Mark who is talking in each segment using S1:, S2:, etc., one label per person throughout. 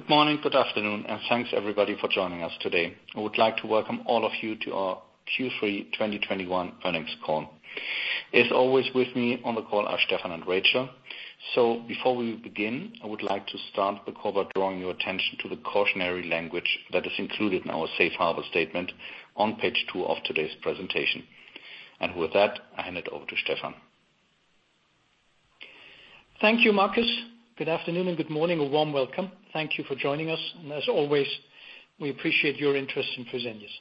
S1: Good morning, good afternoon, and thanks, everybody, for joining us today. I would like to welcome all of you to our Q3 2021 earnings call. As always, with me on the call are Stephan and Rachel. Before we begin, I would like to start the call by drawing your attention to the cautionary language that is included in our safe harbor statement on page two of today's presentation. With that, I hand it over to Stephan.
S2: Thank you, Markus. Good afternoon and good morning. A warm welcome. Thank you for joining us. As always, we appreciate your interest in Fresenius.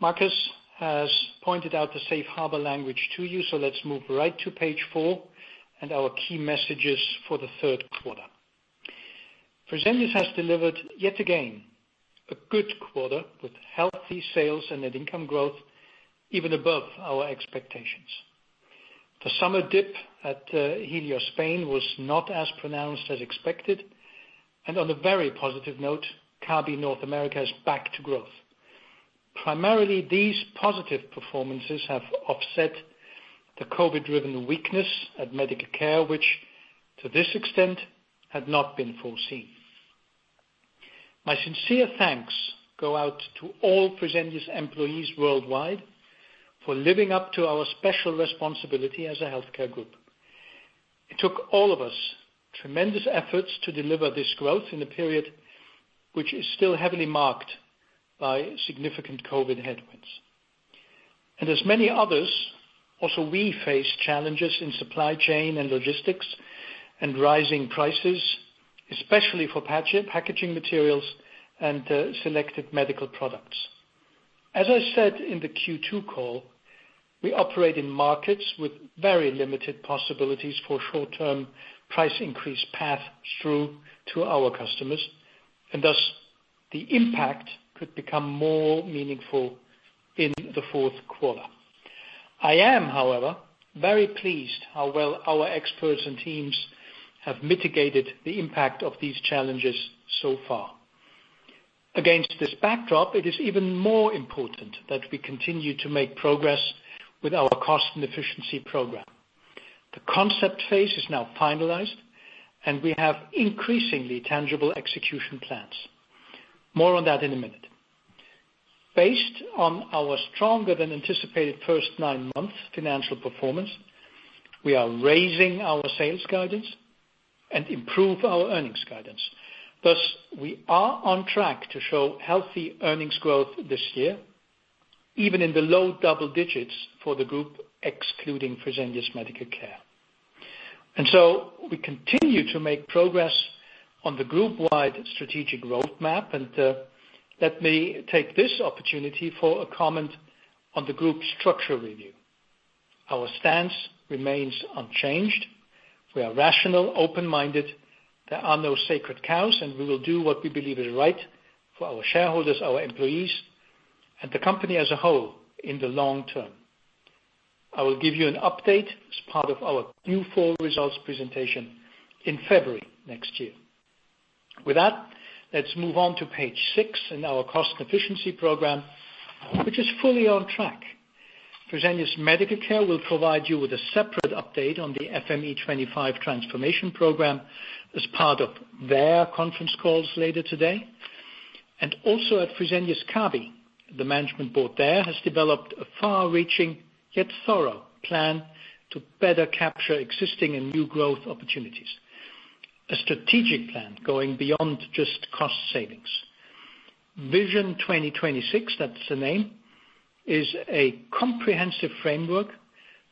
S2: Markus has pointed out the safe harbor language to you, so let's move right to page four and our key messages for the third quarter. Fresenius has delivered, yet again, a good quarter with healthy sales and net income growth, even above our expectations. The summer dip at Helios Spain was not as pronounced as expected, and on a very positive note, Kabi North America is back to growth. Primarily, these positive performances have offset the COVID-driven weakness at Medical Care, which to this extent had not been foreseen. My sincere thanks go out to all Fresenius employees worldwide for living up to our special responsibility as a healthcare group. It took all of us tremendous efforts to deliver this growth in a period which is still heavily marked by significant COVID headwinds. As many others, also we face challenges in supply chain and logistics and rising prices, especially for packaging materials and selected medical products. As I said in the Q2 call, we operate in markets with very limited possibilities for short-term price increase path through to our customers, and thus the impact could become more meaningful in the fourth quarter. I am, however, very pleased how well our experts and teams have mitigated the impact of these challenges so far. Against this backdrop, it is even more important that we continue to make progress with our cost and efficiency program. The concept phase is now finalized, and we have increasingly tangible execution plans. More on that in a minute. Based on our stronger than anticipated first nine-month financial performance, we are raising our sales guidance and improve our earnings guidance. Thus, we are on track to show healthy earnings growth this year, even in the low double digits for the group, excluding Fresenius Medical Care. We continue to make progress on the group-wide strategic roadmap, and let me take this opportunity for a comment on the group structure review. Our stance remains unchanged. We are rational, open-minded. There are no sacred cows, and we will do what we believe is right for our shareholders, our employees, and the company as a whole in the long term. I will give you an update as part of our new full results presentation in February next year. With that, let's move on to page 6 in our cost efficiency program, which is fully on track. Fresenius Medical Care will provide you with a separate update on the FME25 transformation program as part of their conference calls later today. Also at Fresenius Kabi, the management board there has developed a far-reaching, yet thorough plan to better capture existing and new growth opportunities. A strategic plan going beyond just cost savings. Vision 2026, that's the name, is a comprehensive framework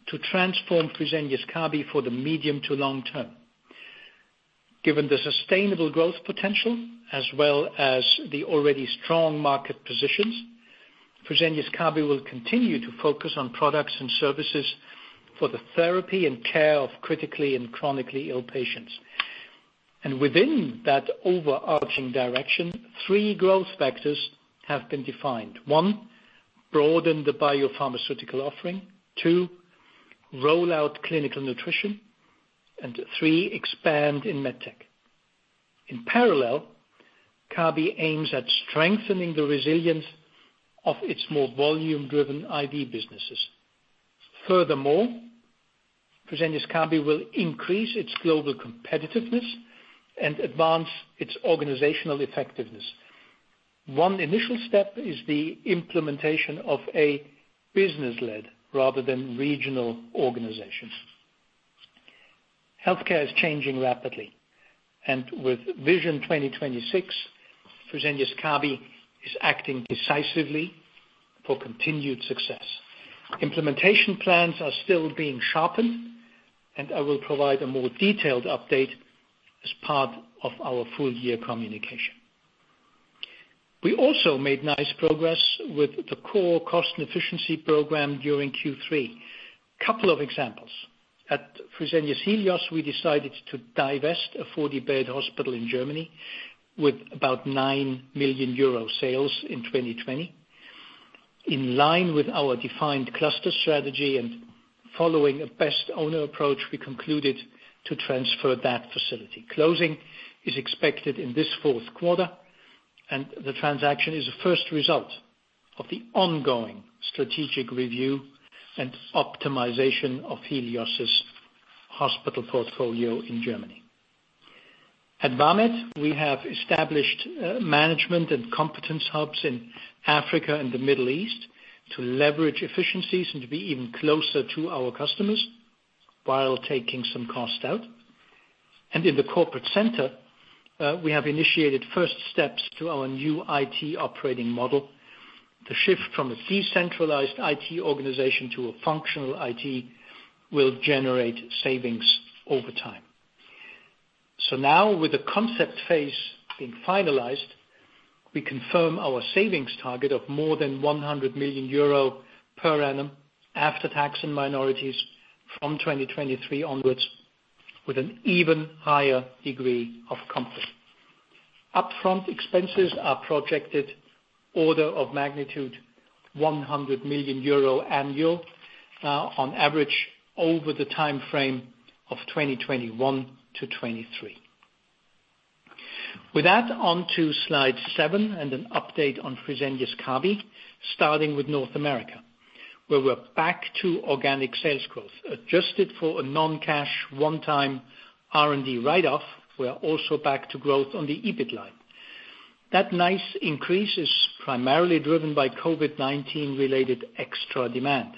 S2: to transform Fresenius Kabi for the medium to long term. Given the sustainable growth potential as well as the already strong market positions, Fresenius Kabi will continue to focus on products and services for the therapy and care of critically and chronically ill patients. Within that overarching direction, three growth factors have been defined. One, broaden the biopharmaceutical offering. Two, roll out clinical nutrition. Three, expand in MedTech. In parallel, Kabi aims at strengthening the resilience of its more volume-driven IV businesses. Furthermore, Fresenius Kabi will increase its global competitiveness and advance its organizational effectiveness. One initial step is the implementation of a business-led rather than regional organizations. Healthcare is changing rapidly, and with Vision 2026, Fresenius Kabi is acting decisively for continued success. Implementation plans are still being sharpened, and I will provide a more detailed update as part of our full year communication. We also made nice progress with the core cost and efficiency program during Q3. Couple of examples. At Fresenius Helios, we decided to divest a 40-bed hospital in Germany with about 9 million euro sales in 2020. In line with our defined cluster strategy and following a best owner approach, we concluded to transfer that facility. Closing is expected in this fourth quarter, and the transaction is the first result of the ongoing strategic review and optimization of Helios' hospital portfolio in Germany. At VAMED, we have established management and competence hubs in Africa and the Middle East to leverage efficiencies and to be even closer to our customers while taking some costs out. In the corporate center, we have initiated first steps to our new IT operating model. The shift from a decentralized IT organization to a functional IT will generate savings over time. Now, with the concept phase being finalized, we confirm our savings target of more than 100 million euro per annum after tax and minorities from 2023 onwards with an even higher degree of comfort. Upfront expenses are projected order of magnitude 100 million euro annual, on average, over the timeframe of 2021-2023. With that, on to slide seven and an update on Fresenius Kabi, starting with North America, where we're back to organic sales growth. Adjusted for a non-cash one-time R&D write-off, we are also back to growth on the EBIT line. That nice increase is primarily driven by COVID-19 related extra demand.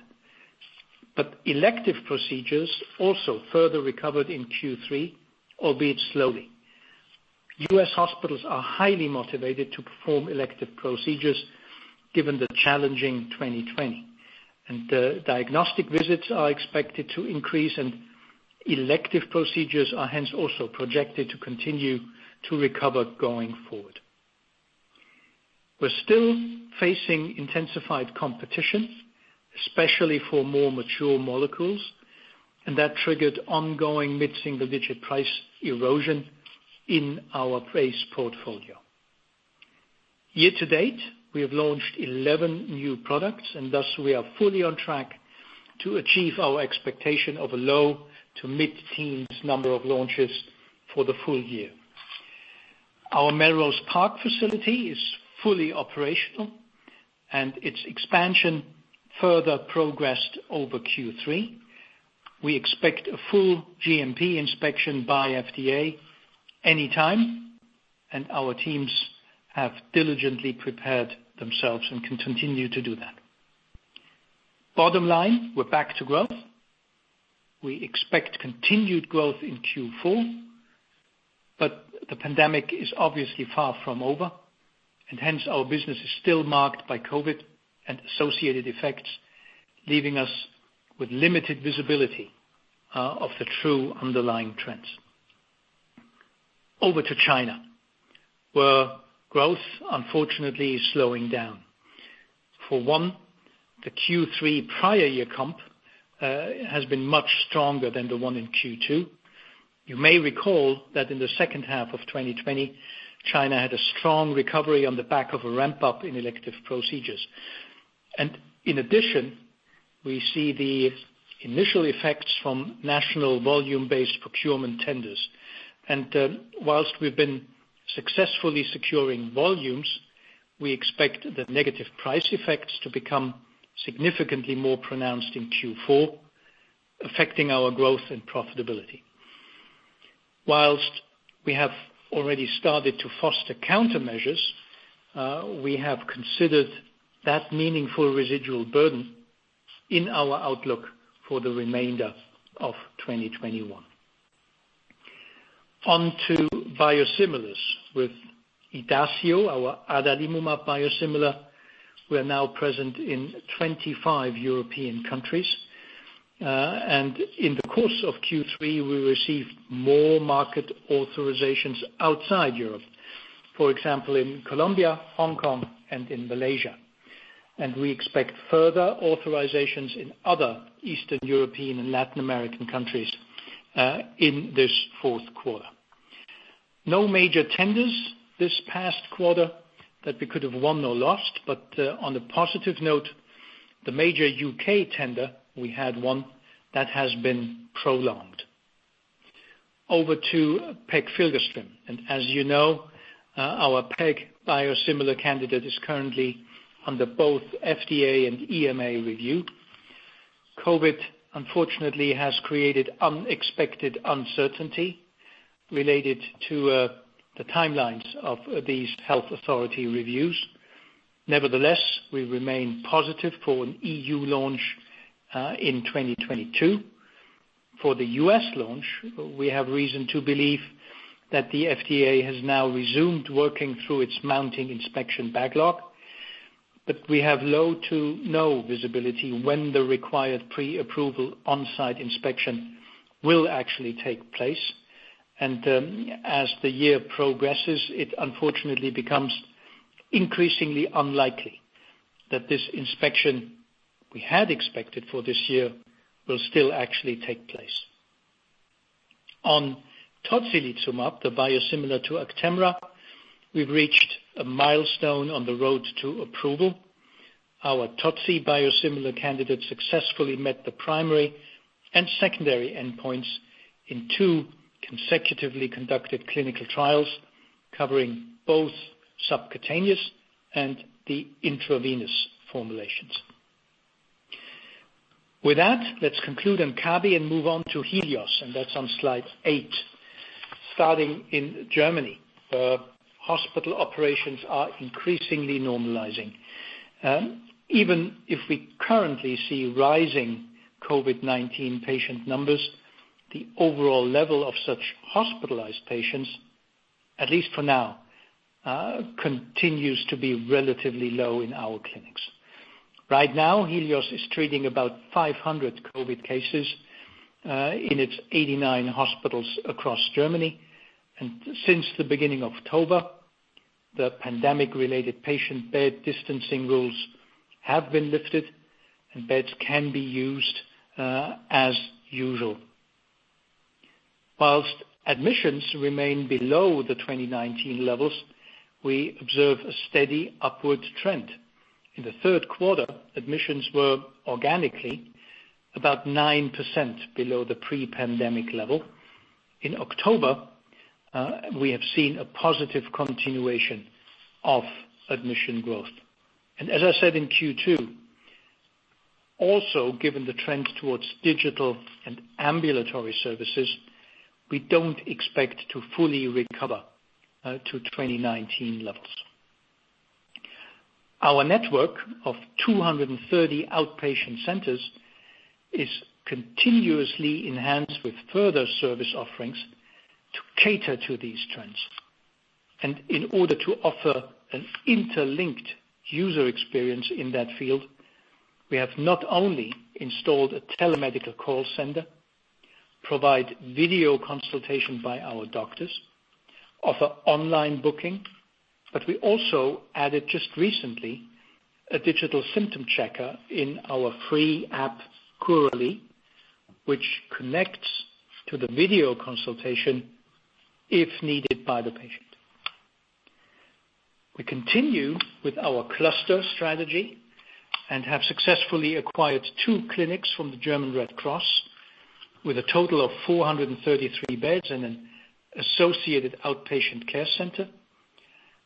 S2: Elective procedures also further recovered in Q3, albeit slowly. U.S. hospitals are highly motivated to perform elective procedures given the challenging 2020. Diagnostic visits are expected to increase, and elective procedures are hence also projected to continue to recover going forward. We're still facing intensified competition, especially for more mature molecules, and that triggered ongoing mid-single-digit% price erosion in our base portfolio. Year to date, we have launched 11 new products, and thus we are fully on track to achieve our expectation of a low to mid-teens number of launches for the full year. Our Melrose Park facility is fully operational, and its expansion further progressed over Q3. We expect a full GMP inspection by FDA anytime, and our teams have diligently prepared themselves and can continue to do that. Bottom line, we're back to growth. We expect continued growth in Q4, but the pandemic is obviously far from over, and hence our business is still marked by COVID and associated effects, leaving us with limited visibility of the true underlying trends. Over to China, where growth, unfortunately, is slowing down. For one, the Q3 prior year comp has been much stronger than the one in Q2. You may recall that in the second half of 2020, China had a strong recovery on the back of a ramp-up in elective procedures. In addition, we see the initial effects from national volume-based procurement tenders. While we've been successfully securing volumes, we expect the negative price effects to become significantly more pronounced in Q4, affecting our growth and profitability. While we have already started to foster countermeasures, we have considered that meaningful residual burden in our outlook for the remainder of 2021. On to biosimilars. With Idacio, our adalimumab biosimilar, we are now present in 25 European countries. In the course of Q3, we received more market authorizations outside Europe. For example, in Colombia, Hong Kong, and in Malaysia. We expect further authorizations in other Eastern European and Latin American countries in this fourth quarter. No major tenders this past quarter that we could have won or lost, but on a positive note, the major U.K. tender we had one that has been prolonged. Over to pegfilgrastim. As you know, our peg biosimilar candidate is currently under both FDA and EMA review. COVID, unfortunately, has created unexpected uncertainty related to the timelines of these health authority reviews. Nevertheless, we remain positive for an EU launch in 2022. For the U.S. launch, we have reason to believe that the FDA has now resumed working through its mounting inspection backlog. We have low to no visibility when the required pre-approval on-site inspection will actually take place. As the year progresses, it unfortunately becomes increasingly unlikely that this inspection we had expected for this year will still actually take place. On Tocilizumab, the biosimilar to Actemra, we've reached a milestone on the road to approval. Our Toci biosimilar candidate successfully met the primary and secondary endpoints in two consecutive clinical trials, covering both subcutaneous and the intravenous formulations. With that, let's conclude on Kabi and move on to Helios, and that's on slide eight. Starting in Germany, hospital operations are increasingly normalizing. Even if we currently see rising COVID-19 patient numbers, the overall level of such hospitalized patients, at least for now, continues to be relatively low in our clinics. Right now, Helios is treating about 500 COVID cases in its 89 hospitals across Germany. Since the beginning of October, the pandemic-related patient bed distancing rules have been lifted and beds can be used as usual. While admissions remain below the 2019 levels, we observe a steady upward trend. In the third quarter, admissions were organically about 9% below the pre-pandemic level. In October, we have seen a positive continuation of admission growth. As I said in Q2, also given the trend towards digital and ambulatory services, we don't expect to fully recover to 2019 levels. Our network of 230 outpatient centers is continuously enhanced with further service offerings to cater to these trends. In order to offer an interlinked user experience in that field, we have not only installed a telemedical call center, provide video consultation by our doctors, offer online booking, but we also added just recently a digital symptom checker in our free app, Curalie, which connects to the video consultation if needed by the patient. We continue with our cluster strategy and have successfully acquired two clinics from the German Red Cross with a total of 433 beds and an associated outpatient care center,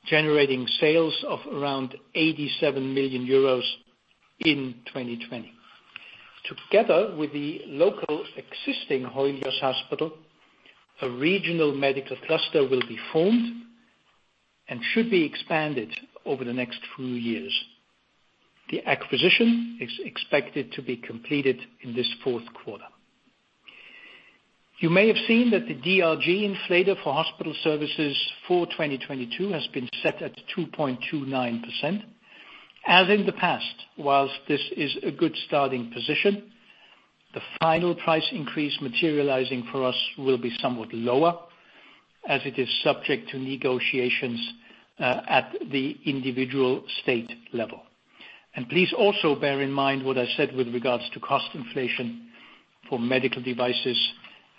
S2: generating sales of around 87 million euros in 2020. Together with the local existing Helios hospital, a regional medical cluster will be formed and should be expanded over the next few years. The acquisition is expected to be completed in this fourth quarter. You may have seen that the DRG inflator for hospital services for 2022 has been set at 2.29%. As in the past, while this is a good starting position, the final price increase materializing for us will be somewhat lower as it is subject to negotiations at the individual state level. Please also bear in mind what I said with regards to cost inflation for medical devices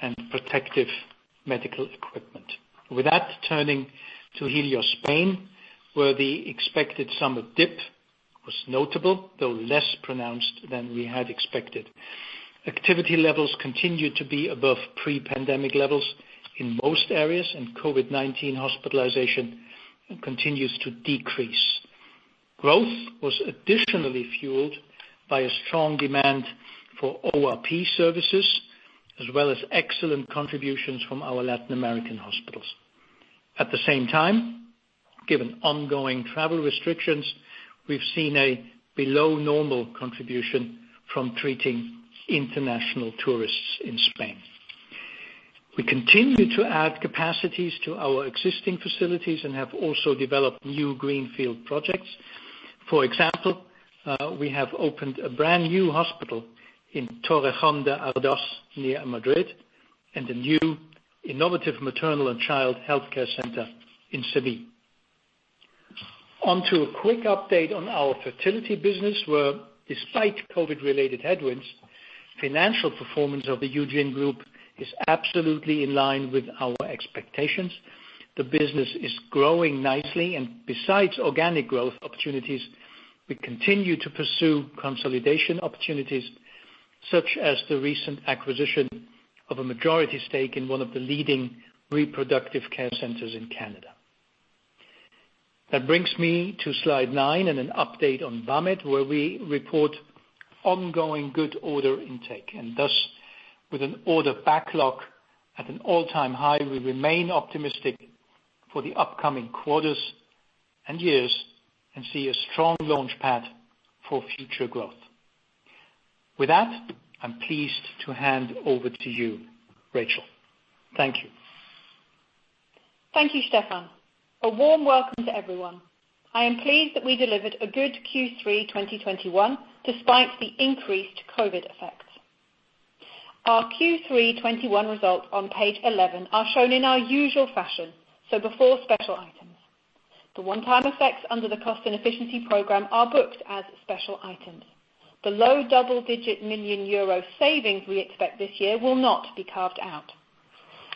S2: and protective medical equipment. With that, turning to Helios Spain, where the expected summer dip was notable, though less pronounced than we had expected. Activity levels continued to be above pre-pandemic levels in most areas, and COVID-19 hospitalization continues to decrease. Growth was additionally fueled by a strong demand for ORP services, as well as excellent contributions from our Latin American hospitals. At the same time, given ongoing travel restrictions, we've seen a below normal contribution from treating international tourists in Spain. We continue to add capacities to our existing facilities and have also developed new greenfield projects. For example, we have opened a brand new hospital in Torrejón de Ardoz near Madrid and a new innovative maternal and child health care center in Seville. On to a quick update on our fertility business, where despite COVID-related headwinds, financial performance of the Eugin Group is absolutely in line with our expectations. The business is growing nicely, and besides organic growth opportunities, we continue to pursue consolidation opportunities, such as the recent acquisition of a majority stake in one of the leading reproductive care centers in Canada. That brings me to slide nine and an update on VAMED, where we report ongoing good order intake. Thus, with an order backlog at an all-time high, we remain optimistic for the upcoming quarters and years and see a strong launch pad for future growth. With that, I'm pleased to hand over to you, Rachel. Thank you.
S3: Thank you, Stephan. A warm welcome to everyone. I am pleased that we delivered a good Q3 2021 despite the increased COVID effects. Our Q3 2021 results on page 11 are shown in our usual fashion, so before special items. The one-time effects under the cost and efficiency program are booked as special items. The low double-digit million euro savings we expect this year will not be carved out.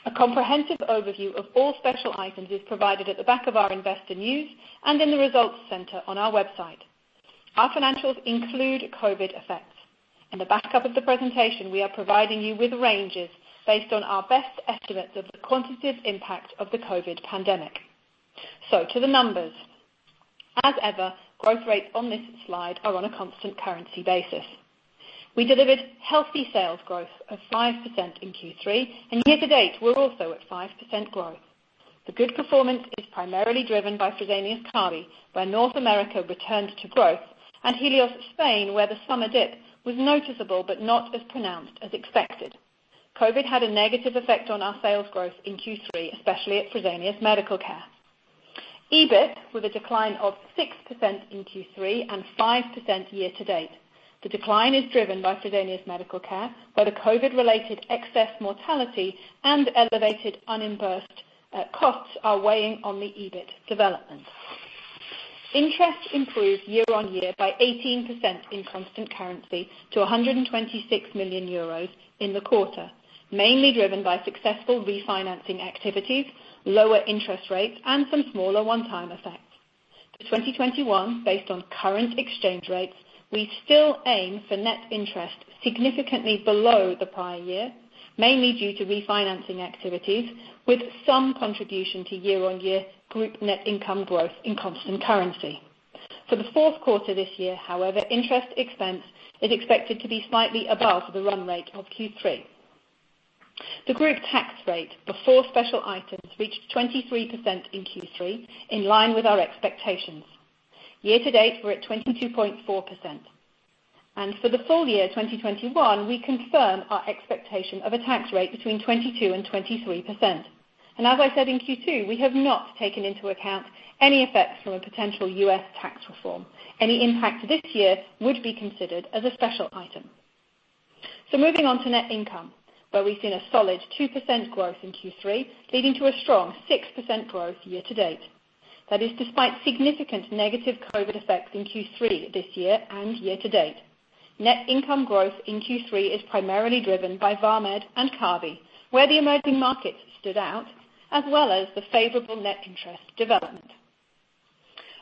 S3: A comprehensive overview of all special items is provided at the back of our investor news and in the results center on our website. Our financials include COVID effects. In the backup of the presentation, we are providing you with ranges based on our best estimates of the quantitative impact of the COVID pandemic. To the numbers. As ever, growth rates on this slide are on a constant currency basis. We delivered healthy sales growth of 5% in Q3. Year-to-date, we're also at 5% growth. The good performance is primarily driven by Fresenius Kabi, where North America returned to growth, and Helios Spain, where the summer dip was noticeable, but not as pronounced as expected. COVID had a negative effect on our sales growth in Q3, especially at Fresenius Medical Care. EBIT with a decline of 6% in Q3 and 5% year-to-date. The decline is driven by Fresenius Medical Care, where the COVID-related excess mortality and elevated unimbursed costs are weighing on the EBIT development. Interest improved year-over-year by 18% in constant currency to 126 million euros in the quarter. Mainly driven by successful refinancing activities, lower interest rates, and some smaller one-time effects. For 2021, based on current exchange rates, we still aim for net interest significantly below the prior year, mainly due to refinancing activities with some contribution to year-on-year group net income growth in constant currency. For the fourth quarter this year, however, interest expense is expected to be slightly above the run rate of Q3. The group tax rate before special items reached 23% in Q3, in line with our expectations. Year-to-date, we're at 22.4%. For the full year 2021, we confirm our expectation of a tax rate between 22% and 23%. As I said in Q2, we have not taken into account any effects from a potential U.S. tax reform. Any impact this year would be considered as a special item. Moving on to net income, where we've seen a solid 2% growth in Q3, leading to a strong 6% growth year-to-date. That is despite significant negative COVID effects in Q3 this year and year-to-date. Net income growth in Q3 is primarily driven by VAMED and Kabi, where the emerging markets stood out, as well as the favorable net interest development.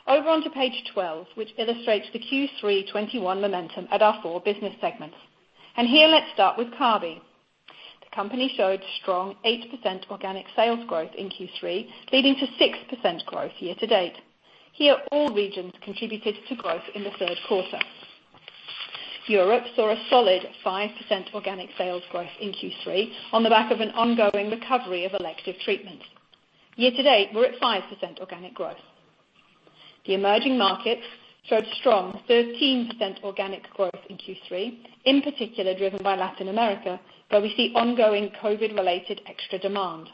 S3: Over onto page 12, which illustrates the Q3 2021 momentum at our four business segments. Here let's start with Kabi. The company showed strong 8% organic sales growth in Q3, leading to 6% growth year-to-date. Here, all regions contributed to growth in the third quarter. Europe saw a solid 5% organic sales growth in Q3 on the back of an ongoing recovery of elective treatments. Year-to-date, we're at 5% organic growth. The emerging markets showed strong 13% organic growth in Q3, in particular driven by Latin America, where we see ongoing COVID-related extra demand.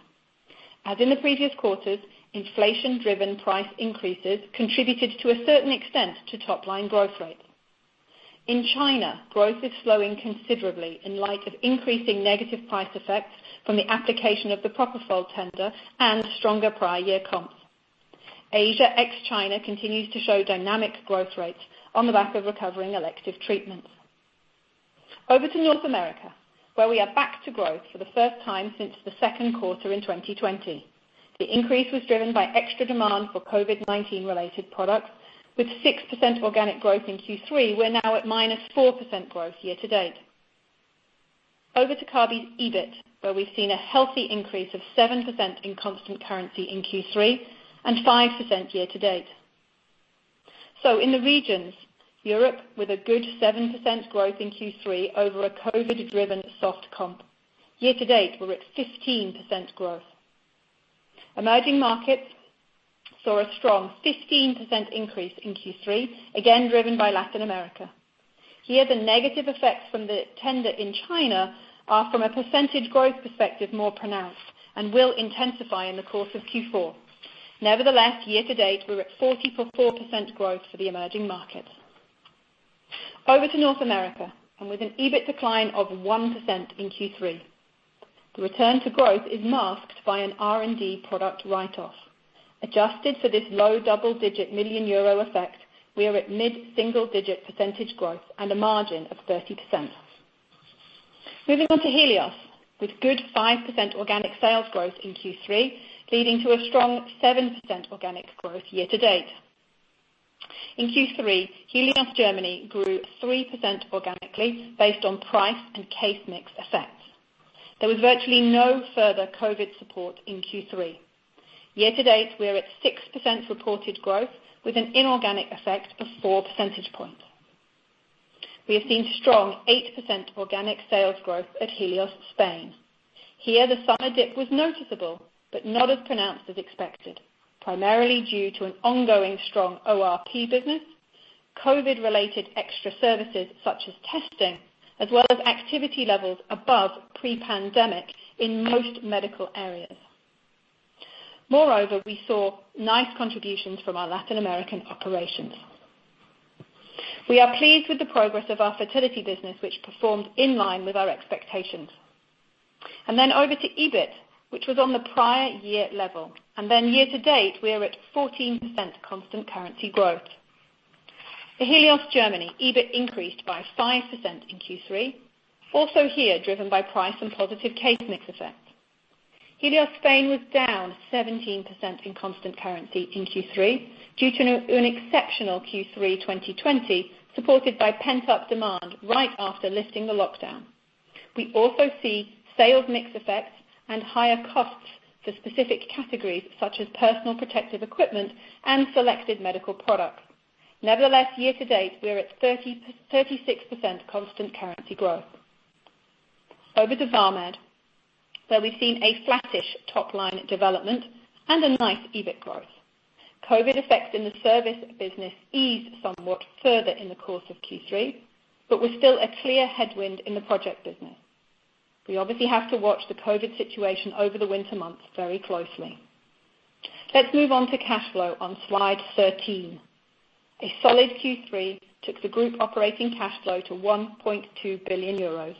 S3: As in the previous quarters, inflation-driven price increases contributed to a certain extent to top-line growth rate. In China, growth is slowing considerably in light of increasing negative price effects from the application of the propofol tender and stronger prior year comps. Asia ex-China continues to show dynamic growth rates on the back of recovering elective treatments. Over to North America, where we are back to growth for the first time since the second quarter in 2020. The increase was driven by extra demand for COVID-19 related products with 6% organic growth in Q3. We're now at -4% growth year-to-date. Over to Kabi's EBIT, where we've seen a healthy increase of 7% in constant currency in Q3 and 5% year-to-date. In the regions, Europe with a good 7% growth in Q3 over a COVID-driven soft comp. Year-to-date, we're at 15% growth. Emerging markets saw a strong 15% increase in Q3, again, driven by Latin America. Here, the negative effects from the tender in China are from a percentage growth perspective, more pronounced and will intensify in the course of Q4. Nevertheless, year-to-date, we're at 44% growth for the emerging markets. Over to North America, and with an EBIT decline of 1% in Q3. The return to growth is masked by an R&D product write-off. Adjusted for this low double-digit million EUR effect, we are at mid-single digit percentage growth and a margin of 30%. Moving on to Helios, with good 5% organic sales growth in Q3, leading to a strong 7% organic growth year-to-date. In Q3, Helios Germany grew 3% organically based on price and case mix effects. There was virtually no further COVID support in Q3. Year-to-date, we are at 6% reported growth with an inorganic effect of 4 percentage points. We have seen strong 8% organic sales growth at Helios Spain. Here, the summer dip was noticeable, but not as pronounced as expected, primarily due to an ongoing strong ORP business, COVID-related extra services such as testing, as well as activity levels above pre-pandemic in most medical areas. Moreover, we saw nice contributions from our Latin American operations. We are pleased with the progress of our fertility business, which performed in line with our expectations. Over to EBIT, which was on the prior year level. Then year-to-date, we are at 14% constant currency growth. For Helios Germany, EBIT increased by 5% in Q3, also here driven by price and positive case mix effects. Helios Spain was down 17% in constant currency in Q3 due to an exceptional Q3 2020, supported by pent-up demand right after lifting the lockdown. We also see sales mix effects and higher costs for specific categories such as personal protective equipment and selected medical products. Nevertheless, year-to-date, we are at 36% constant currency growth. Over to VAMED, where we've seen a flattish top-line development and a nice EBIT growth. COVID effects in the service business eased somewhat further in the course of Q3, but was still a clear headwind in the project business. We obviously have to watch the COVID situation over the winter months very closely. Let's move on to cash flow on slide 13. A solid Q3 took the group operating cash flow to 1.2 billion euros.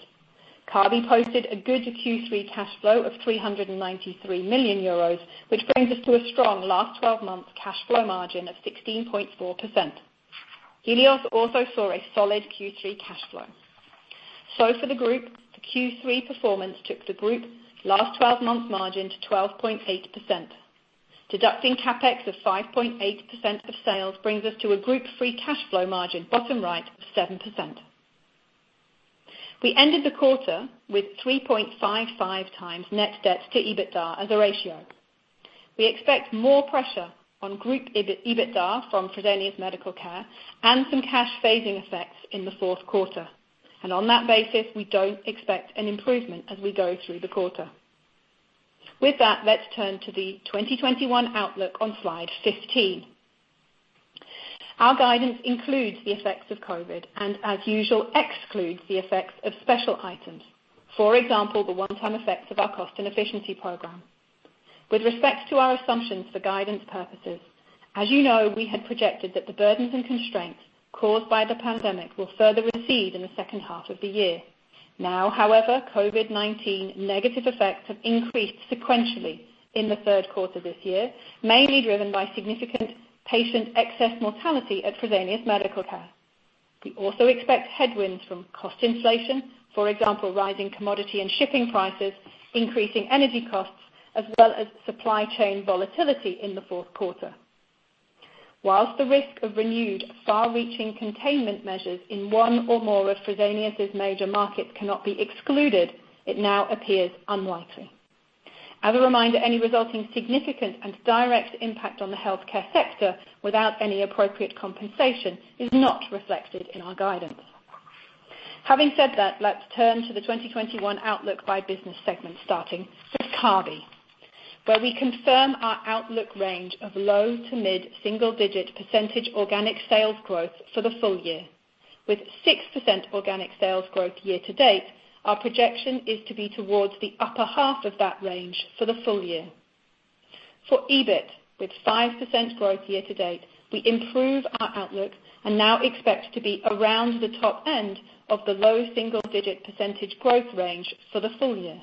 S3: Kabi posted a good Q3 cash flow of 393 million euros, which brings us to a strong last twelve months cash flow margin of 16.4%. Helios also saw a solid Q3 cash flow. For the group, the Q3 performance took the group last twelve months margin to 12.8%. Deducting CapEx of 5.8% of sales brings us to a group free cash flow margin, bottom right, of 7%. We ended the quarter with 3.55x net debt to EBITDA as a ratio. We expect more pressure on group EBIT, EBITDA from Fresenius Medical Care and some cash phasing effects in the fourth quarter. On that basis, we don't expect an improvement as we go through the quarter. With that, let's turn to the 2021 outlook on slide 15. Our guidance includes the effects of COVID and, as usual, excludes the effects of special items, for example, the one-time effects of our cost and efficiency program. With respect to our assumptions for guidance purposes, as you know, we had projected that the burdens and constraints caused by the pandemic will further recede in the second half of the year. Now, however, COVID-19 negative effects have increased sequentially in the third quarter this year, mainly driven by significant patient excess mortality at Fresenius Medical Care. We also expect headwinds from cost inflation, for example, rising commodity and shipping prices, increasing energy costs, as well as supply chain volatility in the fourth quarter. While the risk of renewed far-reaching containment measures in one or more of Fresenius' major markets cannot be excluded, it now appears unlikely. As a reminder, any resulting significant and direct impact on the healthcare sector without any appropriate compensation is not reflected in our guidance. Having said that, let's turn to the 2021 outlook by business segment, starting with Kabi, where we confirm our outlook range of low- to mid-single-digit % organic sales growth for the full year. With 6% organic sales growth year to date, our projection is to be towards the upper half of that range for the full year. For EBIT, with 5% growth year to date, we improve our outlook and now expect to be around the top end of the low single-digit % growth range for the full year.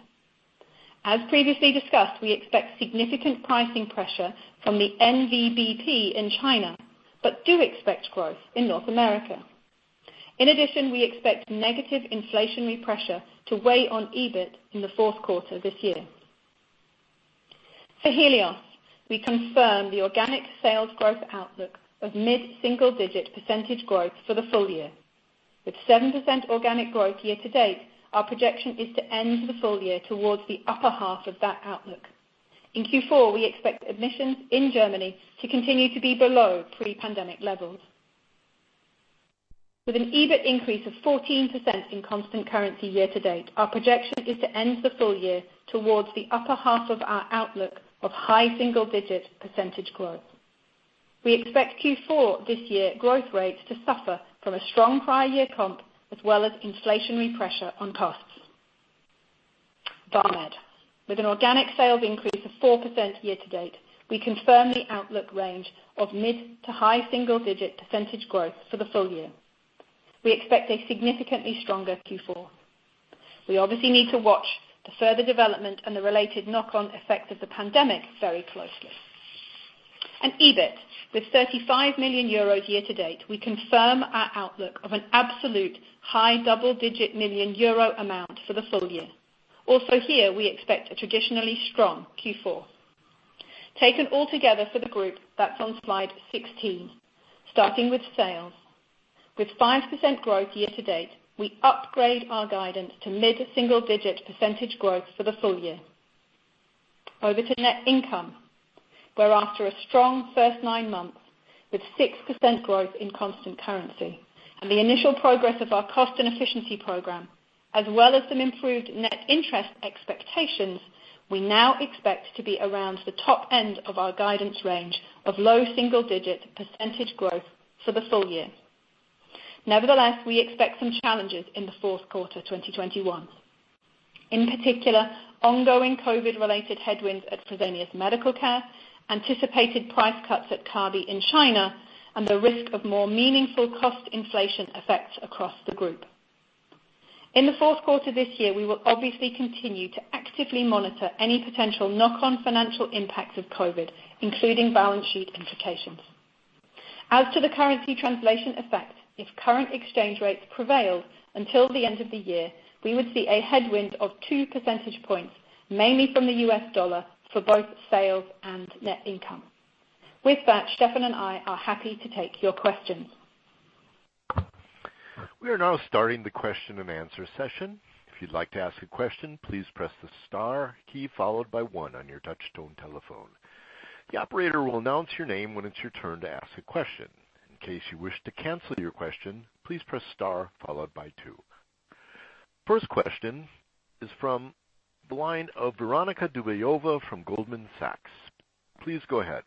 S3: As previously discussed, we expect significant pricing pressure from the VBP in China, but do expect growth in North America. In addition, we expect negative inflationary pressure to weigh on EBIT in the fourth quarter this year. For Helios, we confirm the organic sales growth outlook of mid-single-digit % growth for the full year. With 7% organic growth year to date, our projection is to end the full year towards the upper half of that outlook. In Q4, we expect admissions in Germany to continue to be below pre-pandemic levels. With an EBIT increase of 14% in constant currency year to date, our projection is to end the full year towards the upper half of our outlook of high single-digit % growth. We expect Q4 this year growth rates to suffer from a strong prior year comp as well as inflationary pressure on costs. VAMED. With an organic sales increase of 4% year to date, we confirm the outlook range of mid- to high single-digit % growth for the full year. We expect a significantly stronger Q4. We obviously need to watch the further development and the related knock-on effect of the pandemic very closely. EBIT with 35 million euros year to date, we confirm our outlook of an absolute high double-digit million EUR amount for the full year. Also here, we expect a traditionally strong Q4. Taken all together for the group, that's on slide 16. Starting with sales. With 5% growth year to date, we upgrade our guidance to mid-single-digit % growth for the full year. Over to net income, where after a strong first nine months with 6% growth in constant currency and the initial progress of our cost and efficiency program, as well as some improved net interest expectations, we now expect to be around the top end of our guidance range of low single-digit % growth for the full year. Nevertheless, we expect some challenges in the fourth quarter, 2021. In particular, ongoing COVID-related headwinds at Fresenius Medical Care, anticipated price cuts at Kabi in China, and the risk of more meaningful cost inflation effects across the group. In the fourth quarter this year, we will obviously continue to actively monitor any potential knock-on financial impacts of COVID, including balance sheet implications. As to the currency translation effect, if current exchange rates prevail until the end of the year, we would see a headwind of 2 percentage points, mainly from the U.S. dollar for both sales and net income. With that, Stephan and I are happy to take your questions.
S4: We are now starting the question and answer session. If you'd like to ask a question, please press the star key followed by one on your touchtone telephone. The operator will announce your name when it's your turn to ask a question. In case you wish to cancel your question, please press star followed by two. First question is from the line of Veronika Dubajova from Goldman Sachs. Please go ahead.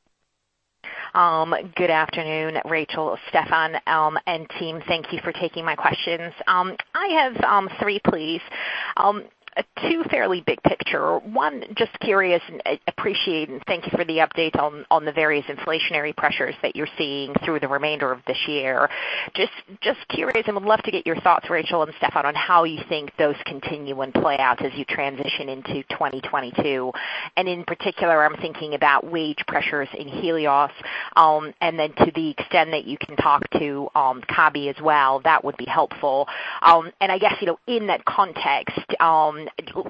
S5: Good afternoon, Rachel, Stephan, and team. Thank you for taking my questions. I have three, please. Two fairly big picture. One, just curious and appreciate and thank you for the update on the various inflationary pressures that you're seeing through the remainder of this year. Just curious, and would love to get your thoughts, Rachel and Stephan, on how you think those continue and play out as you transition into 2022. In particular, I'm thinking about wage pressures in Helios, and then to the extent that you can talk to Kabi as well, that would be helpful. I guess, you know, in that context,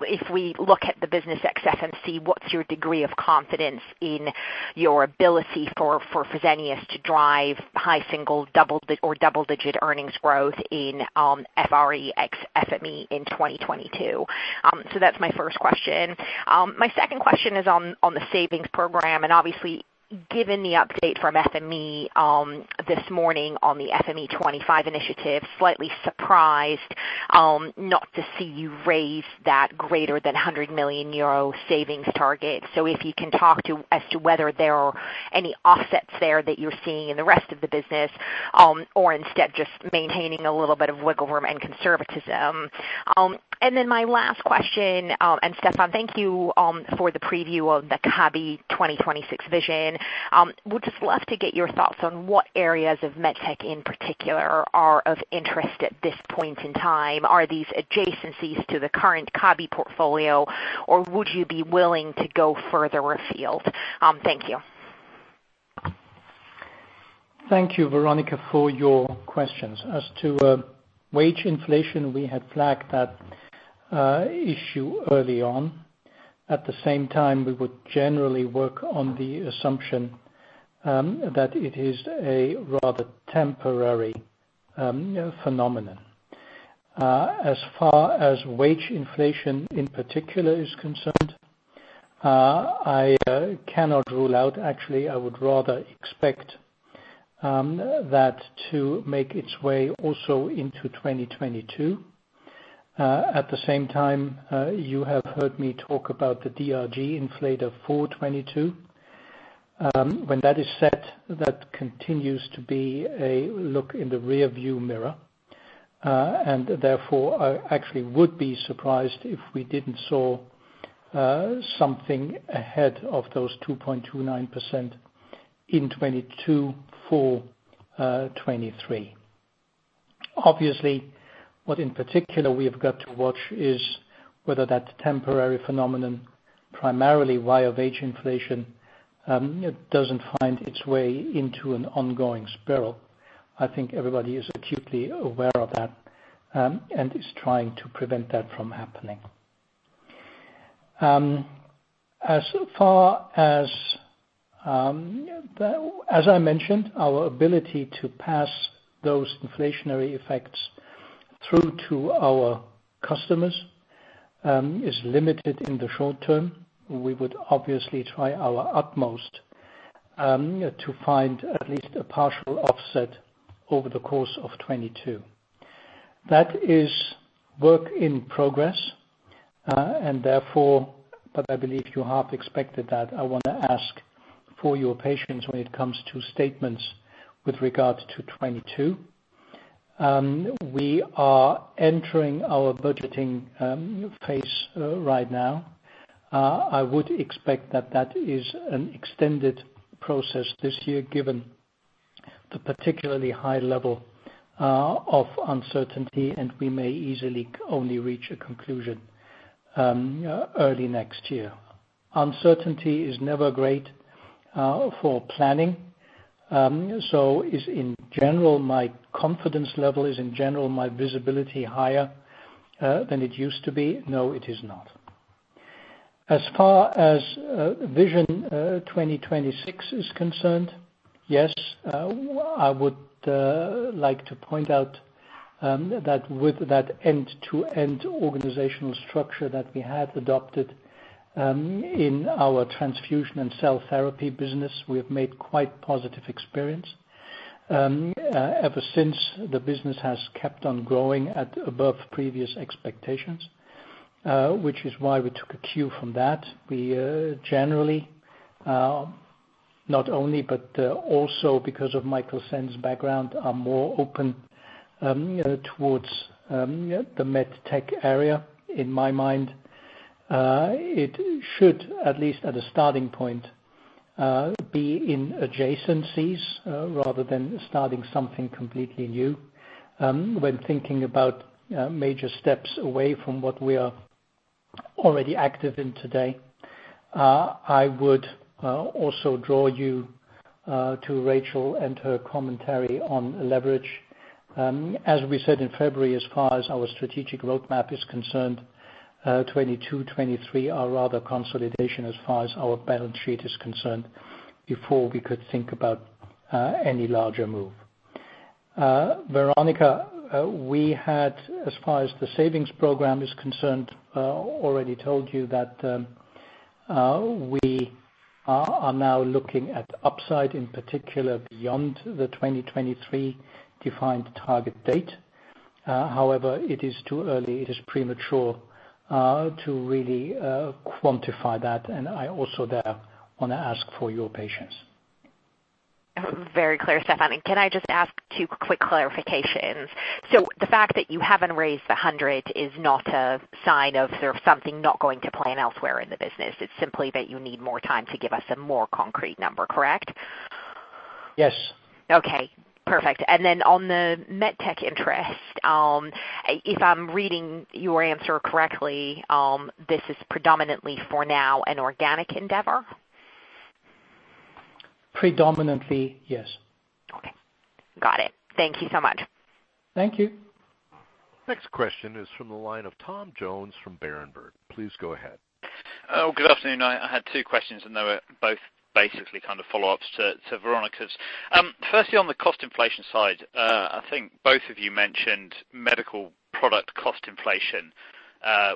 S5: if we look at the business ex FME, what's your degree of confidence in your ability for Fresenius to drive high single double or double-digit earnings growth in Fresenius ex-FME in 2022? That's my first question. My second question is on the savings program. Obviously, given the update from FME this morning on the FME25 initiative, slightly surprised not to see you raise that greater than 100 million euro savings target. If you can talk as to whether there are any offsets there that you're seeing in the rest of the business, or instead just maintaining a little bit of wiggle room and conservatism. Then my last question, and Stephan, thank you for the preview of the Kabi 2026 vision. Would just love to get your thoughts on what areas of med tech in particular are of interest at this point in time. Are these adjacencies to the current Kabi portfolio, or would you be willing to go further afield? Thank you.
S2: Thank you, Veronika Dubajova, for your questions. As to wage inflation, we had flagged that issue early on. At the same time, we would generally work on the assumption that it is a rather temporary phenomenon. As far as wage inflation in particular is concerned, I cannot rule out. Actually, I would rather expect that to make its way also into 2022. At the same time, you have heard me talk about the DRG inflator for 2022. When that is set, that continues to be a look in the rearview mirror, and therefore, I actually would be surprised if we didn't see something ahead of those 2.29% in 2022 full 2023. Obviously, what in particular we have got to watch is whether that temporary phenomenon, primarily via wage inflation, doesn't find its way into an ongoing spiral. I think everybody is acutely aware of that, and is trying to prevent that from happening. As far as I mentioned, our ability to pass those inflationary effects through to our customers, is limited in the short term. We would obviously try our utmost, to find at least a partial offset over the course of 2022. That is work in progress. I believe you half expected that I want to ask for your patience when it comes to statements with regards to 2022. We are entering our budgeting phase right now. I would expect that is an extended process this year, given the particularly high level of uncertainty, and we may easily only reach a conclusion early next year. Uncertainty is never great for planning. In general, is my confidence level, my visibility, higher than it used to be? No, it is not. As far as Vision 2026 is concerned, yes, I would like to point out that with that end-to-end organizational structure that we have adopted in our transfusion and cell therapy business, we have made quite positive experience. Ever since the business has kept on growing at above previous expectations, which is why we took a cue from that. We generally not only, but also because of Michael Sen's background, are more open towards the MedTech area. In my mind, it should, at least at a starting point, be in adjacencies rather than starting something completely new, when thinking about major steps away from what we are already active in today. I would also draw you to Rachel and her commentary on leverage. As we said in February, as far as our strategic roadmap is concerned, 2022, 2023 are rather consolidation as far as our balance sheet is concerned before we could think about any larger move. Veronika, we had, as far as the savings program is concerned, already told you that we are now looking at upside, in particular beyond the 2023 defined target date. However, it is too early, it is premature, to really quantify that, and I also want to ask for your patience.
S5: Very clear, Stephan. Can I just ask two quick clarifications? The fact that you haven't raised 100 is not a sign of that something not going to plan elsewhere in the business. It's simply that you need more time to give us a more concrete number, correct?
S2: Yes.
S5: Okay, perfect. On the MedTech interest, if I'm reading your answer correctly, this is predominantly for now an organic endeavor?
S2: Predominantly, yes.
S5: Okay. Got it. Thank you so much.
S2: Thank you.
S4: Next question is from the line of Tom Jones from Berenberg. Please go ahead.
S6: Good afternoon. I had two questions, and they were both basically kind of follow-ups to Veronika's. Firstly, on the cost inflation side, I think both of you mentioned medical product cost inflation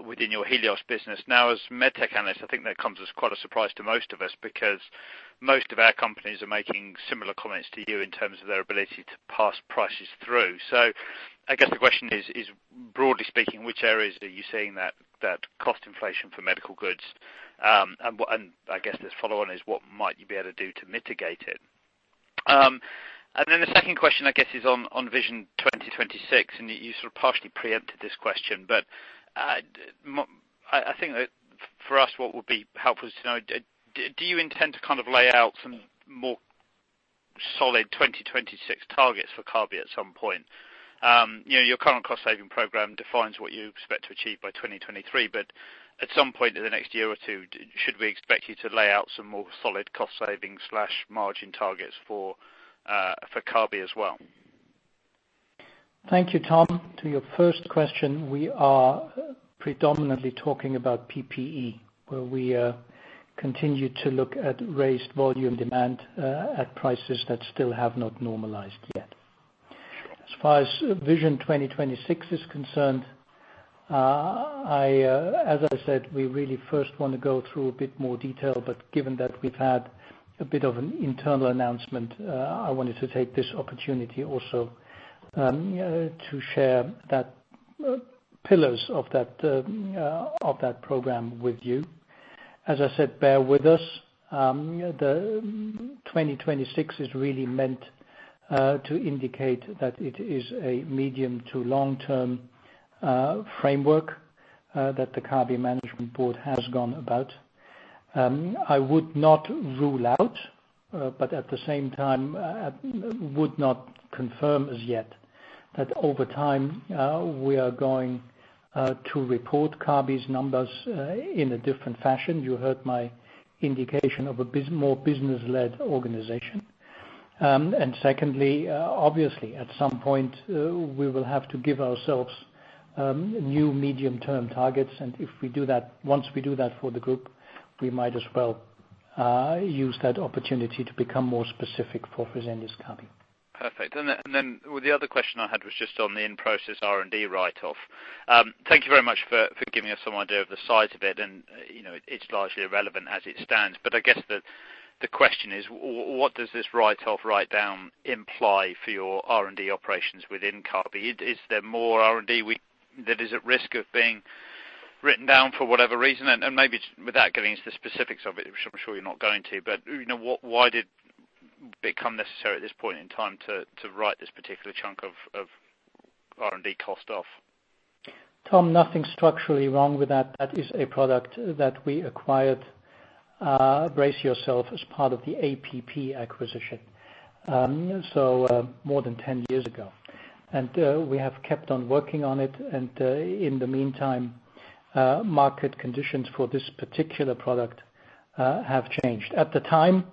S6: within your Helios business. Now as MedTech analysts, I think that comes as quite a surprise to most of us because most of our companies are making similar comments to you in terms of their ability to pass prices through. I guess the question is, broadly speaking, which areas are you seeing that cost inflation for medical goods? And I guess this follow on is what might you be able to do to mitigate it? The second question, I guess is on Vision 2026, and you sort of partially preempted this question. I think that for us, what would be helpful is to know, do you intend to kind of lay out some more solid 2026 targets for Kabi at some point? You know, your current cost saving program defines what you expect to achieve by 2023, but at some point in the next year or two, should we expect you to lay out some more solid cost saving slash margin targets for Kabi as well?
S2: Thank you, Tom. To your first question, we are predominantly talking about PPE, where we continue to look at raised volume demand at prices that still have not normalized yet. As far as Vision 2026 is concerned, as I said, we really first wanna go through a bit more detail, but given that we've had a bit of an internal announcement, I wanted to take this opportunity also to share that pillars of that program with you. As I said, bear with us. The 2026 is really meant to indicate that it is a medium to long-term framework that the Kabi management board has gone about. I would not rule out, but at the same time, would not confirm as yet that over time, we are going to report Kabi's numbers in a different fashion. You heard my indication of more business-led organization. Secondly, obviously at some point, we will have to give ourselves new medium-term targets. If we do that, once we do that for the group, we might as well use that opportunity to become more specific for Fresenius Kabi.
S6: Perfect. The other question I had was just on the in-process R&D write-off. Thank you very much for giving us some idea of the size of it. You know, it's largely irrelevant as it stands. I guess the question is what does this write-off, write down imply for your R&D operations within Kabi? Is there more R&D that is at risk of being written down for whatever reason? Maybe without getting into the specifics of it, which I'm sure you're not going to, but you know, why did it become necessary at this point in time to write this particular chunk of R&D cost off?
S2: Tom, nothing structurally wrong with that. That is a product that we acquired, brace yourself, as part of the APP acquisition, more than 10 years ago. We have kept on working on it. In the meantime, market conditions for this particular product have changed. At the time,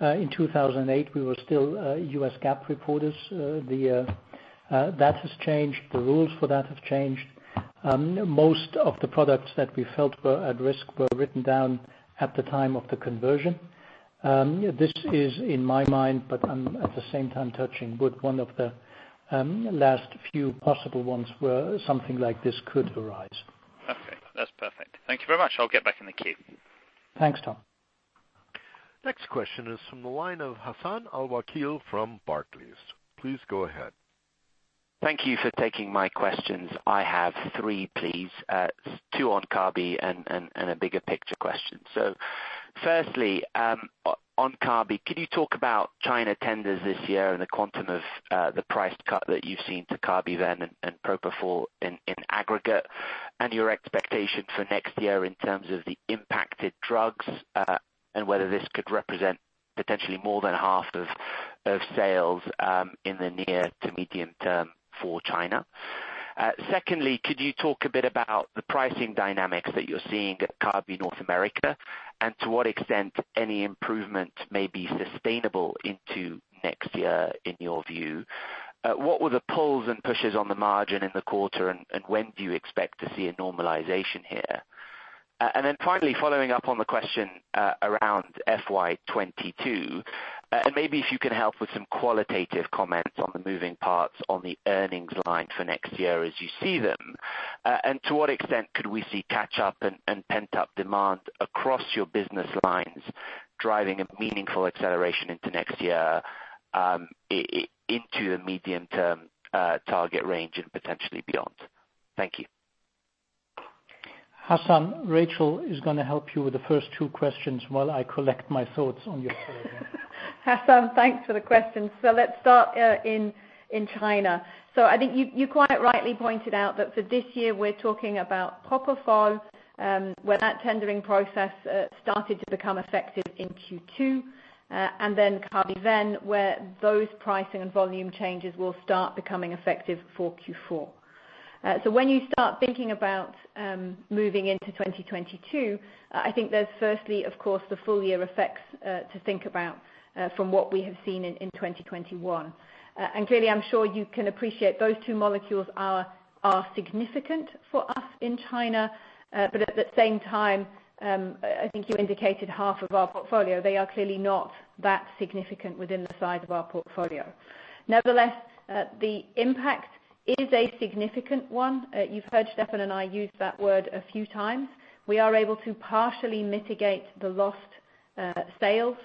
S2: in 2008, we were still U.S. GAAP reporters. That has changed. The rules for that have changed. Most of the products that we felt were at risk were written down at the time of the conversion. This is in my mind, but I'm at the same time touching wood, one of the last few possible ones where something like this could arise.
S6: Okay, that's perfect. Thank you very much. I'll get back in the queue.
S2: Thanks, Tom.
S4: Next question is from the line of Hassan Al-Wakeel from Barclays. Please go ahead.
S7: Thank you for taking my questions. I have three, please. Two on Kabi and a bigger picture question. Firstly, on Kabi, can you talk about China tenders this year and the quantum of the price cut that you've seen to Kabi then and Propofol in aggregate? Your expectation for next year in terms of the impacted drugs, and whether this could represent potentially more than half of sales in the near to medium term for China. Secondly, could you talk a bit about the pricing dynamics that you're seeing at Kabi North America, and to what extent any improvement may be sustainable into next year in your view? What were the pulls and pushes on the margin in the quarter, and when do you expect to see a normalization here? Finally, following up on the question around FY 2022, and maybe if you can help with some qualitative comments on the moving parts on the earnings line for next year as you see them. To what extent could we see catch-up and pent-up demand across your business lines driving a meaningful acceleration into next year, into the medium-term target range and potentially beyond? Thank you.
S2: Hassan, Rachel is gonna help you with the first two questions while I collect my thoughts on your third one.
S3: Hassan Al-Wakeel, thanks for the question. Let's start in China. I think you quite rightly pointed out that for this year, we're talking about Propofol, where that tendering process started to become effective in Q2, and then Kabiven, where those pricing and volume changes will start becoming effective for Q4. When you start thinking about moving into 2022, I think there's firstly, of course, the full year effects to think about from what we have seen in 2021. Clearly, I'm sure you can appreciate those two molecules are significant for us in China, but at the same time, I think you indicated half of our portfolio, they are clearly not that significant within the size of our portfolio. Nevertheless, the impact is a significant one. You've heard Stephan and I use that word a few times. We are able to partially mitigate the lost sales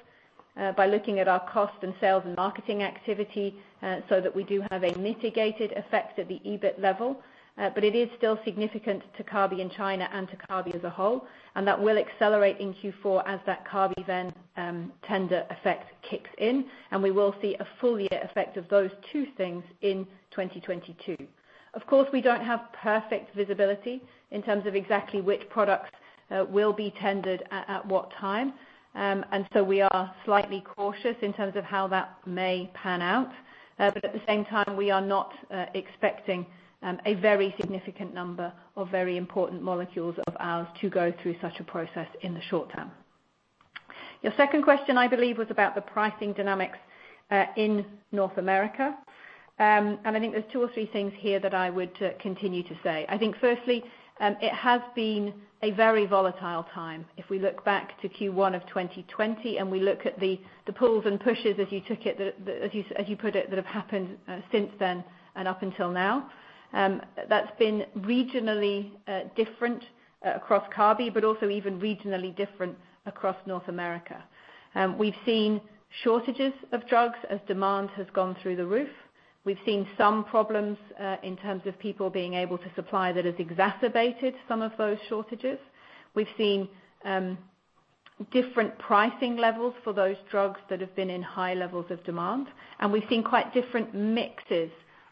S3: by looking at our cost and sales and marketing activity, so that we do have a mitigated effect at the EBIT level. But it is still significant to Kabi in China and to Kabi as a whole, and that will accelerate in Q4 as that Kabi VBP tender effect kicks in. We will see a full year effect of those two things in 2022. Of course, we don't have perfect visibility in terms of exactly which products will be tendered at what time. We are slightly cautious in terms of how that may pan out. But at the same time, we are not expecting a very significant number of very important molecules of ours to go through such a process in the short term. Your second question, I believe, was about the pricing dynamics in North America. I think there's two or three things here that I would continue to say. I think firstly, it has been a very volatile time. If we look back to Q1 of 2020, and we look at the pulls and pushes as you put it, that have happened since then and up until now, that's been regionally different across Kabi, but also even regionally different across North America. We've seen shortages of drugs as demand has gone through the roof. We've seen some problems in terms of people being able to supply that has exacerbated some of those shortages. We've seen different pricing levels for those drugs that have been in high levels of demand. We've seen quite different mixes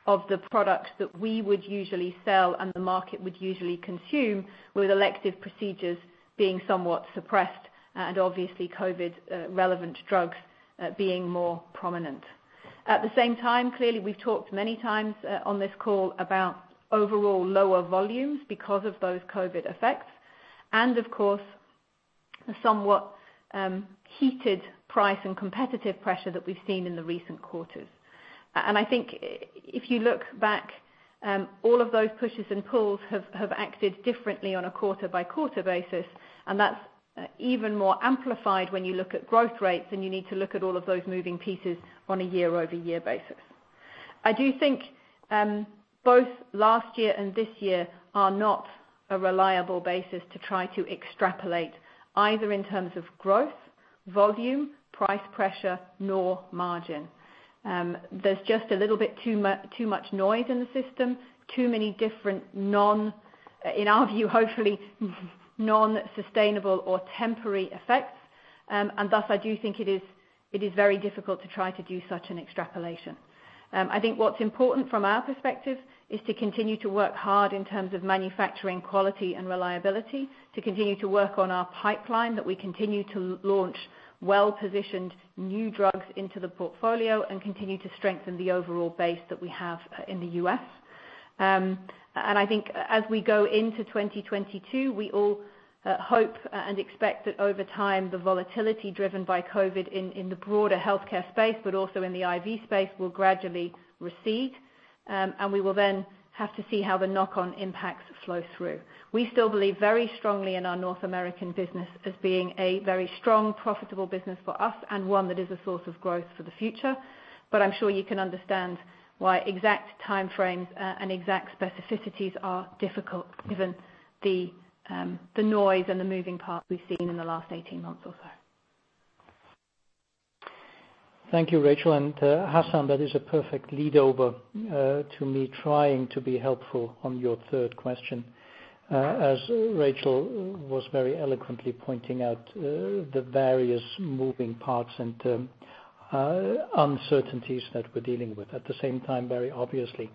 S3: of the products that we would usually sell and the market would usually consume with elective procedures being somewhat suppressed and obviously COVID relevant drugs being more prominent. At the same time, clearly, we've talked many times on this call about overall lower volumes because of those COVID effects and of course, a somewhat heated price and competitive pressure that we've seen in the recent quarters. I think if you look back, all of those pushes and pulls have acted differently on a quarter-by-quarter basis, and that's even more amplified when you look at growth rates, and you need to look at all of those moving pieces on a year-over-year basis. I do think both last year and this year are not a reliable basis to try to extrapolate either in terms of growth, volume, price pressure, nor margin. There's just a little bit too much noise in the system, too many different, in our view, hopefully non-sustainable or temporary effects. Thus, I do think it is very difficult to try to do such an extrapolation. I think what's important from our perspective is to continue to work hard in terms of manufacturing quality and reliability, to continue to work on our pipeline, that we continue to launch well-positioned new drugs into the portfolio and continue to strengthen the overall base that we have in the U.S. I think as we go into 2022, we all hope and expect that over time, the volatility driven by COVID in the broader healthcare space, but also in the IV space, will gradually recede, and we will then have to see how the knock-on impacts flow through. We still believe very strongly in our North American business as being a very strong, profitable business for us and one that is a source of growth for the future. I'm sure you can understand why exact time frames and exact specificities are difficult given the noise and the moving parts we've seen in the last 18 months or so.
S2: Thank you, Rachel. Hassan, that is a perfect lead over to me trying to be helpful on your third question. As Rachel was very eloquently pointing out the various moving parts and uncertainties that we're dealing with. At the same time, very obviously,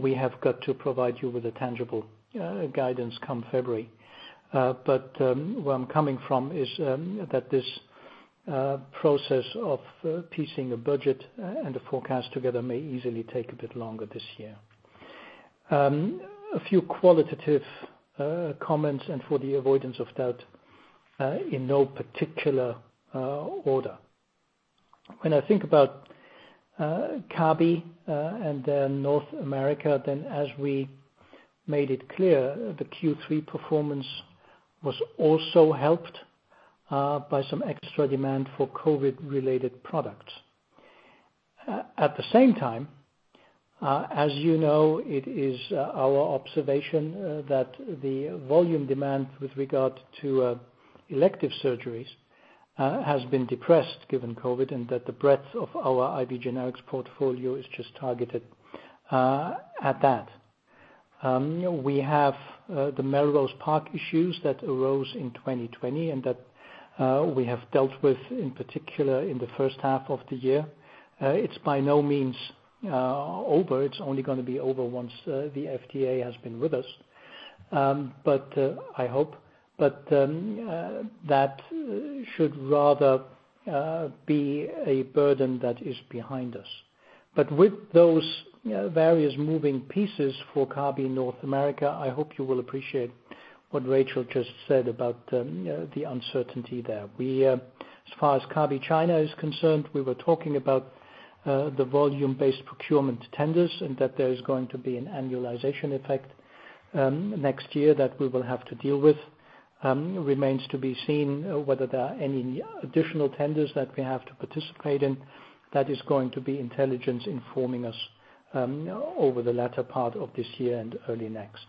S2: we have got to provide you with a tangible guidance come February. Where I'm coming from is that this process of piecing a budget and a forecast together may easily take a bit longer this year. A few qualitative comments and for the avoidance of doubt in no particular order. When I think about Kabi and then North America, then as we made it clear, the Q3 performance was also helped by some extra demand for COVID-related products. At the same time, as you know, it is our observation that the volume demand with regard to elective surgeries has been depressed given COVID, and that the breadth of our IV generics portfolio is just targeted at that. We have the Melrose Park issues that arose in 2020, and that we have dealt with, in particular, in the first half of the year. It's by no means over. It's only gonna be over once the FDA has been with us. But that should rather be a burden that is behind us. But with those, you know, various moving pieces for Kabi North America, I hope you will appreciate what Rachel just said about the uncertainty there. We, as far as Kabi China is concerned, we were talking about the Volume-Based Procurement tenders, and that there is going to be an annualization effect next year that we will have to deal with. Remains to be seen whether there are any additional tenders that we have to participate in. That is going to be intelligence informing us over the latter part of this year and early next.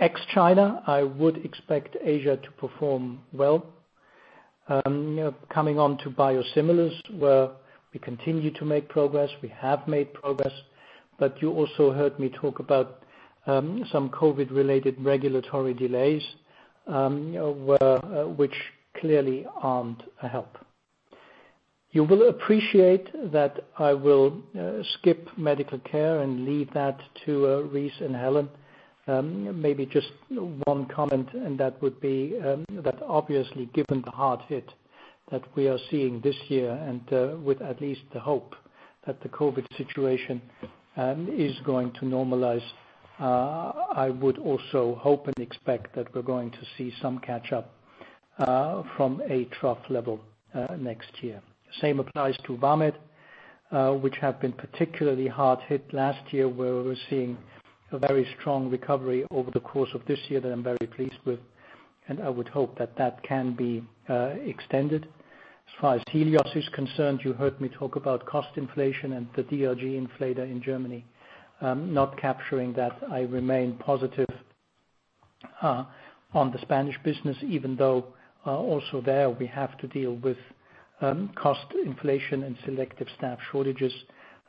S2: Ex China, I would expect Asia to perform well. Coming on to biosimilars, where we continue to make progress, we have made progress, but you also heard me talk about some COVID-related regulatory delays, which clearly aren't a help. You will appreciate that I will skip medical care and leave that to Rice and Helen. Maybe just one comment, and that would be, that obviously, given the hard hit that we are seeing this year and, with at least the hope that the COVID situation is going to normalize, I would also hope and expect that we're going to see some catch-up, from a trough level, next year. Same applies to VAMED, which have been particularly hard hit last year, where we're seeing a very strong recovery over the course of this year that I'm very pleased with, and I would hope that that can be extended. As far as Helios is concerned, you heard me talk about cost inflation and the DRG inflator in Germany, not capturing that. I remain positive, on the Spanish business, even though, also there we have to deal with, cost inflation and selective staff shortages.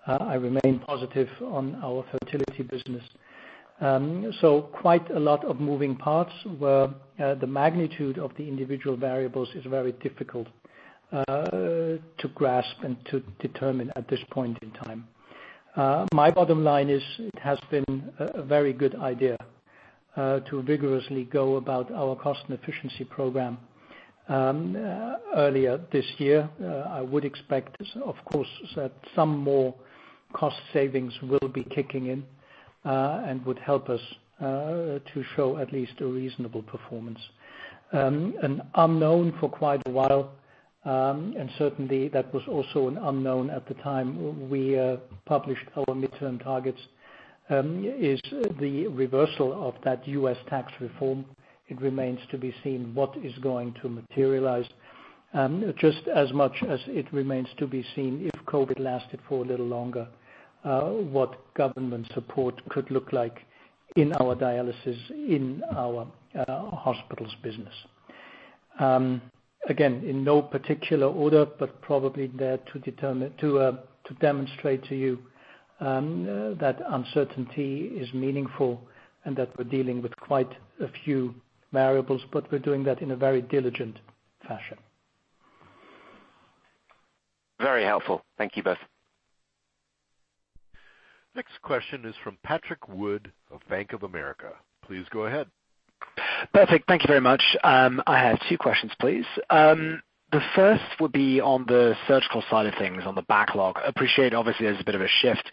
S2: I remain positive on our fertility business. Quite a lot of moving parts, where the magnitude of the individual variables is very difficult to grasp and to determine at this point in time. My bottom line is it has been a very good idea to vigorously go about our cost and efficiency program earlier this year. I would expect, of course, that some more cost savings will be kicking in and would help us to show at least a reasonable performance. An unknown for quite a while, and certainly that was also an unknown at the time we published our midterm targets, is the reversal of that U.S. tax reform. It remains to be seen what is going to materialize, just as much as it remains to be seen if COVID lasted for a little longer, what government support could look like in our dialysis, hospitals business. Again, in no particular order, but probably there to demonstrate to you that uncertainty is meaningful and that we're dealing with quite a few variables, but we're doing that in a very diligent fashion.
S7: Very helpful. Thank you both.
S4: Next question is from Patrick Wood of Bank of America. Please go ahead.
S8: Patrick, thank you very much. I have two questions, please. The first would be on the surgical side of things, on the backlog. Appreciate obviously there's a bit of a shift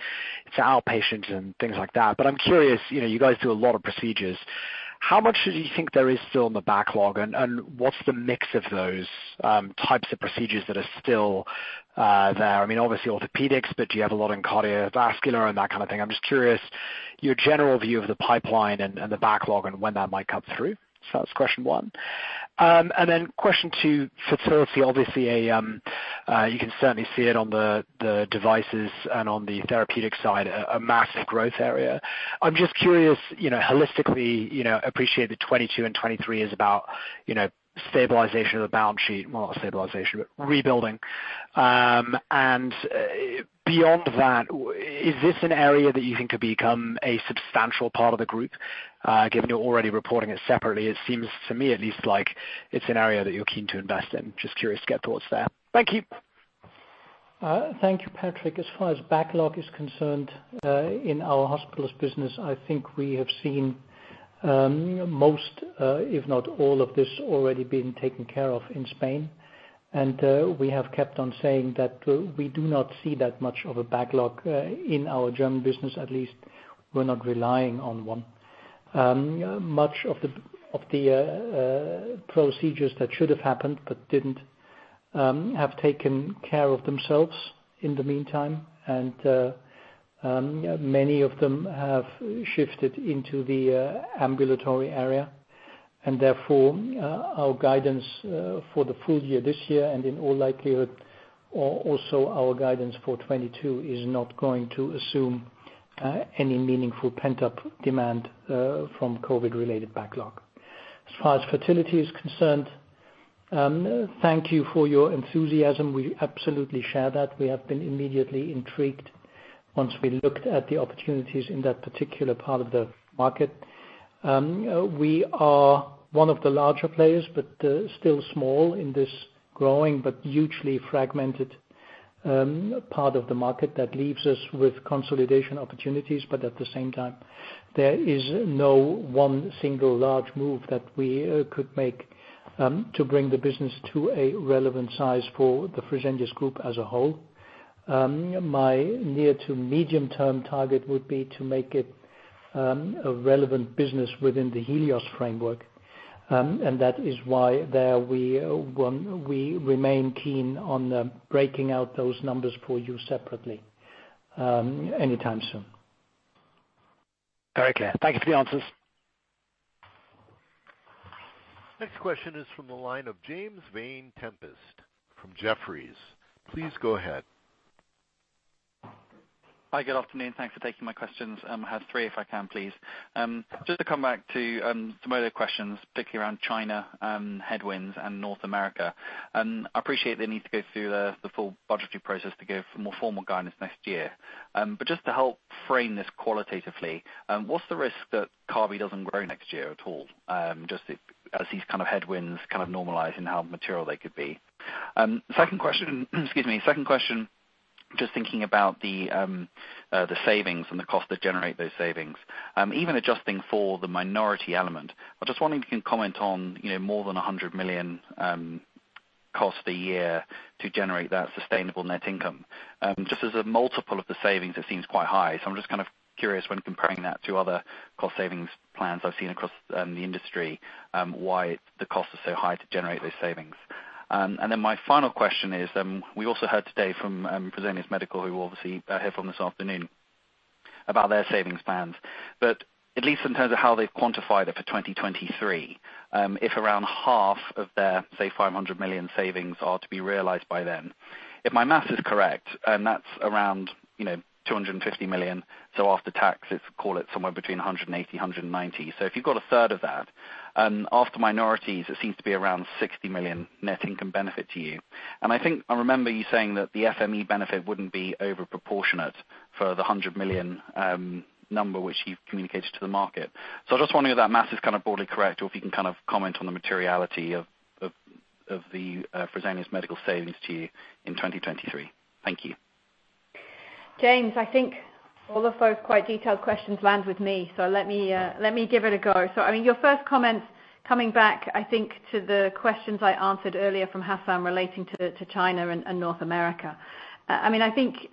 S8: to outpatient and things like that, but I'm curious, you know, you guys do a lot of procedures. How much do you think there is still in the backlog and what's the mix of those types of procedures that are still there? I mean, obviously orthopedics, but do you have a lot in cardiovascular and that kind of thing? I'm just curious your general view of the pipeline and the backlog and when that might come through. That's question one. And then question two. Fertility, obviously you can certainly see it on the devices and on the therapeutic side, a massive growth area. I'm just curious, you know, holistically, you know, appreciate that 2022 and 2023 is about, you know, stabilization of the balance sheet. Well, not stabilization, but rebuilding. Is this an area that you think could become a substantial part of the group, given you're already reporting it separately? It seems to me at least like it's an area that you're keen to invest in. Just curious to get thoughts there. Thank you.
S2: Thank you, Patrick. As far as backlog is concerned, in our hospitals business, I think we have seen most, if not all of this already been taken care of in Spain. We have kept on saying that we do not see that much of a backlog in our German business. At least we're not relying on one. Much of the procedures that should have happened but didn't have taken care of themselves in the meantime. Many of them have shifted into the ambulatory area. Therefore, our guidance for the full year this year and in all likelihood also our guidance for 2022 is not going to assume any meaningful pent-up demand from COVID-related backlog. As far as fertility is concerned, thank you for your enthusiasm. We absolutely share that. We have been immediately intrigued once we looked at the opportunities in that particular part of the market. We are one of the larger players, but still small in this growing but hugely fragmented part of the market that leaves us with consolidation opportunities. At the same time, there is no one single large move that we could make to bring the business to a relevant size for the Fresenius group as a whole. My near- to medium-term target would be to make it a relevant business within the Helios framework. That is why we remain keen on breaking out those numbers for you separately anytime soon.
S8: Very clear. Thank you for the answers.
S4: Next question is from the line of James Vane-Tempest from Jefferies. Please go ahead.
S9: Hi. Good afternoon. Thanks for taking my questions. I have three if I can, please. Just to come back to some earlier questions, particularly around China, headwinds and North America. I appreciate they need to go through the full budgetary process to give more formal guidance next year. But just to help frame this qualitatively, what's the risk that Kabi doesn't grow next year at all, just as these kind of headwinds kind of normalize and how material they could be? Second question. Excuse me. Second question, just thinking about the savings and the cost to generate those savings. Even adjusting for the minority element, I'm just wondering if you can comment on, you know, more than 100 million cost a year to generate that sustainable net income. Just as a multiple of the savings it seems quite high. I'm just kind of curious when comparing that to other cost savings plans I've seen across the industry, why the cost is so high to generate those savings. My final question is, we also heard today from Fresenius Medical Care, who will obviously hear from this afternoon about their savings plans. At least in terms of how they've quantified it for 2023, if around half of their, say, 500 million savings are to be realized by then. If my math is correct, and that's around, you know, 250 million, so after taxes, call it somewhere between 180 million and 190 million. If you've got a third of that, after minorities, it seems to be around 60 million net income benefit to you. I think I remember you saying that the FME benefit wouldn't be over proportionate for the 100 million number which you've communicated to the market. I'm just wondering if that math is kind of broadly correct, or if you can kind of comment on the materiality of the Fresenius Medical savings to you in 2023. Thank you.
S3: James, I think all of those quite detailed questions land with me. Let me give it a go. I mean, your first comments coming back, I think to the questions I answered earlier from Hassan relating to China and North America. I mean, I think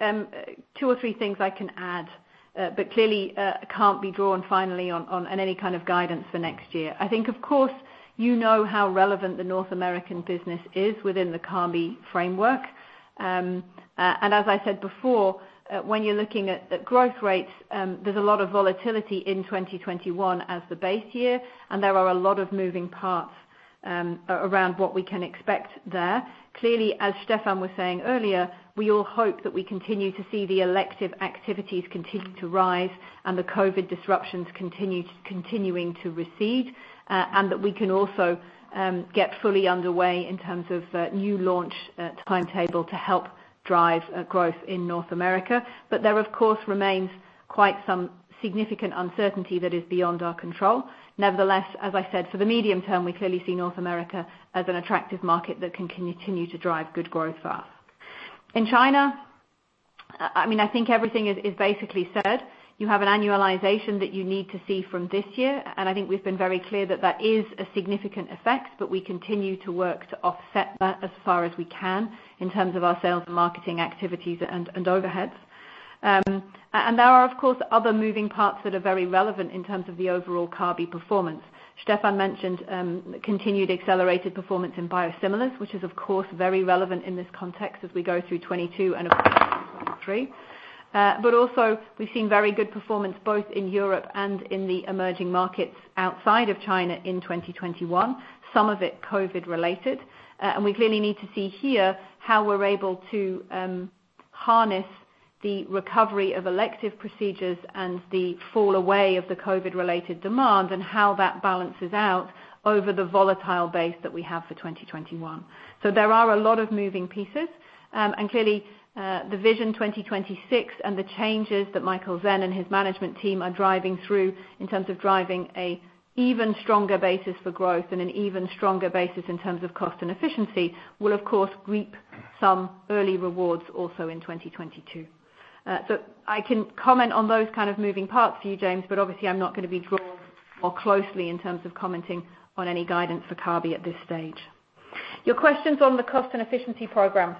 S3: two or three things I can add. But clearly, can't be too final on any kind of guidance for next year. I think of course you know how relevant the North American business is within the Kabi framework. And as I said before, when you're looking at growth rates, there's a lot of volatility in 2021 as the base year, and there are a lot of moving parts around what we can expect there. Clearly, as Stephan was saying earlier, we all hope that we continue to see the elective activities continue to rise and the COVID disruptions continue to recede, and that we can also get fully underway in terms of the new launch timetable to help drive growth in North America. There of course remains quite some significant uncertainty that is beyond our control. Nevertheless, as I said, for the medium term, we clearly see North America as an attractive market that can continue to drive good growth for us. In China, I mean, I think everything is basically said. You have an annualization that you need to see from this year, and I think we've been very clear that that is a significant effect, but we continue to work to offset that as far as we can in terms of our sales and marketing activities and overheads. There are of course other moving parts that are very relevant in terms of the overall Kabi performance. Stephan mentioned continued accelerated performance in biosimilars, which is of course very relevant in this context as we go through 2022 and of course 2023. Also we've seen very good performance both in Europe and in the emerging markets outside of China in 2021, some of it COVID related. We clearly need to see here how we're able to harness the recovery of elective procedures and the fall away of the COVID related demand and how that balances out over the volatile base that we have for 2021. There are a lot of moving pieces, and clearly, the Vision 2026 and the changes that Michael Sen and his management team are driving through in terms of driving a even stronger basis for growth and an even stronger basis in terms of cost and efficiency will of course, reap some early rewards also in 2022. I can comment on those kind of moving parts for you, James, but obviously I'm not gonna be drawn more closely in terms of commenting on any guidance for Kabi at this stage. Your questions on the cost and efficiency program.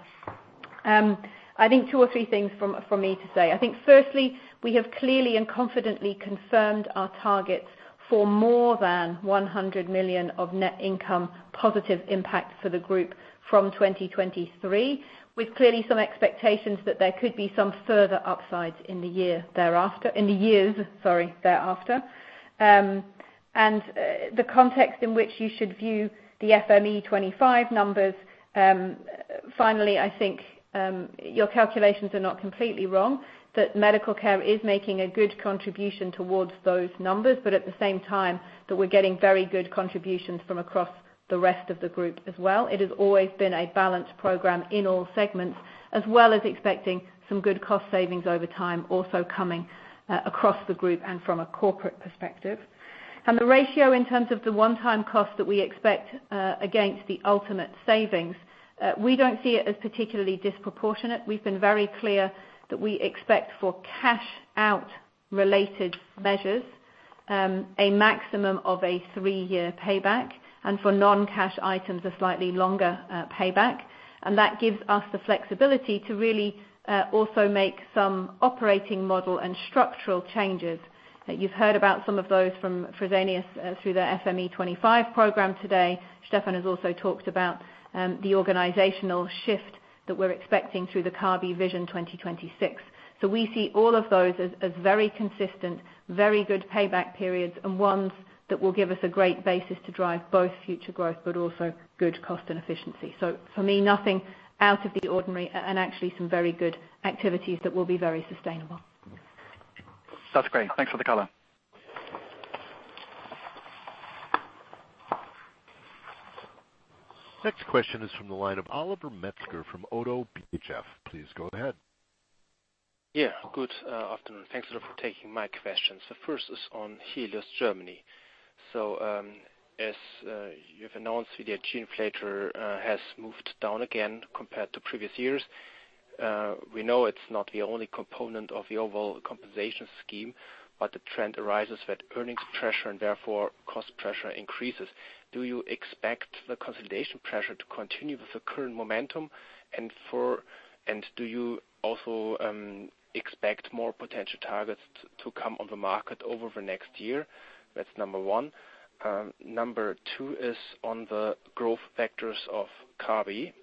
S3: I think two or three things from me to say. I think firstly, we have clearly and confidently confirmed our targets for more than 100 million of net income positive impact for the group from 2023, with clearly some expectations that there could be some further upsides in the year thereafter. In the years, sorry, thereafter. The context in which you should view the FME25 numbers, finally, I think, your calculations are not completely wrong, that medical care is making a good contribution towards those numbers, but at the same time that we're getting very good contributions from across the rest of the group as well. It has always been a balanced program in all segments, as well as expecting some good cost savings over time, also coming across the group and from a corporate perspective. The ratio in terms of the one-time cost that we expect against the ultimate savings, we don't see it as particularly disproportionate. We've been very clear that we expect for cash out related measures a maximum of a three-year payback, and for non-cash items, a slightly longer payback. That gives us the flexibility to really also make some operating model and structural changes. That you've heard about some of those from Fresenius through their FME25 program today. Stephan has also talked about the organizational shift that we're expecting through the Kabi Vision 2026. We see all of those as very consistent, very good payback periods, and ones that will give us a great basis to drive both future growth, but also good cost and efficiency. For me, nothing out of the ordinary, and actually some very good activities that will be very sustainable.
S9: That's great. Thanks for the color.
S4: Next question is from the line of Oliver Metzger from ODDO BHF. Please go ahead.
S10: Good afternoon. Thanks for taking my questions. The first is on Helios Germany. As you've announced the DRG inflator has moved down again compared to previous years. We know it's not the only component of the overall compensation scheme, but the trend arises that earnings pressure and therefore cost pressure increases. Do you expect the consolidation pressure to continue with the current momentum and do you also expect more potential targets to come on the market over the next year? That's number one. Number two is on the growth factors of Kabi.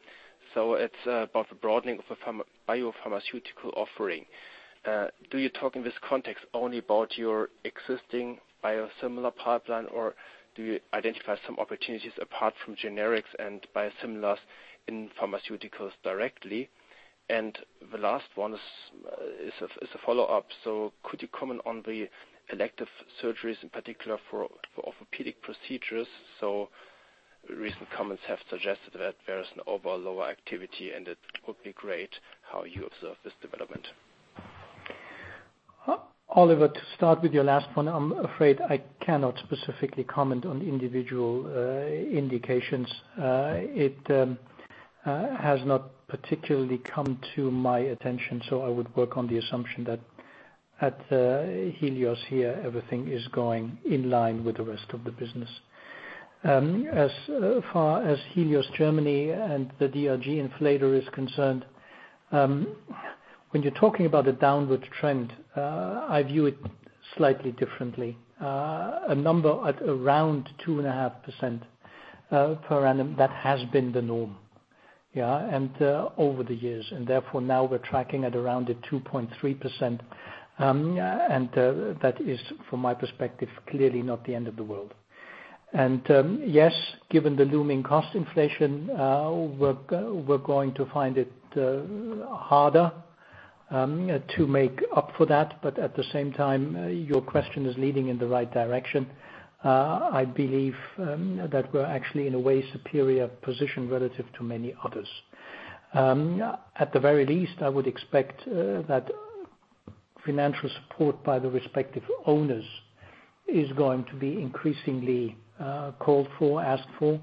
S10: It's about the broadening of the biopharmaceutical offering. Do you talk in this context only about your existing biosimilar pipeline, or do you identify some opportunities apart from generics and biosimilars in pharmaceuticals directly? The last one is a follow-up. Could you comment on the elective surgeries in particular for orthopedic procedures? Recent comments have suggested that there is an overall lower activity, and it would be great to hear how you observe this development.
S2: Oliver, to start with your last one, I'm afraid I cannot specifically comment on individual indications. It has not particularly come to my attention, so I would work on the assumption that at Helios here, everything is going in line with the rest of the business. As far as Helios Germany and the DRG inflator is concerned, when you're talking about a downward trend, I view it slightly differently. A number at around 2.5% per annum, that has been the norm. Over the years, and therefore, now we're tracking at around the 2.3%, and that is, from my perspective, clearly not the end of the world. Yes, given the looming cost inflation, we're going to find it harder to make up for that. But at the same time, your question is leading in the right direction. I believe that we're actually in a way superior position relative to many others. At the very least, I would expect that financial support by the respective owners is going to be increasingly called for, asked for.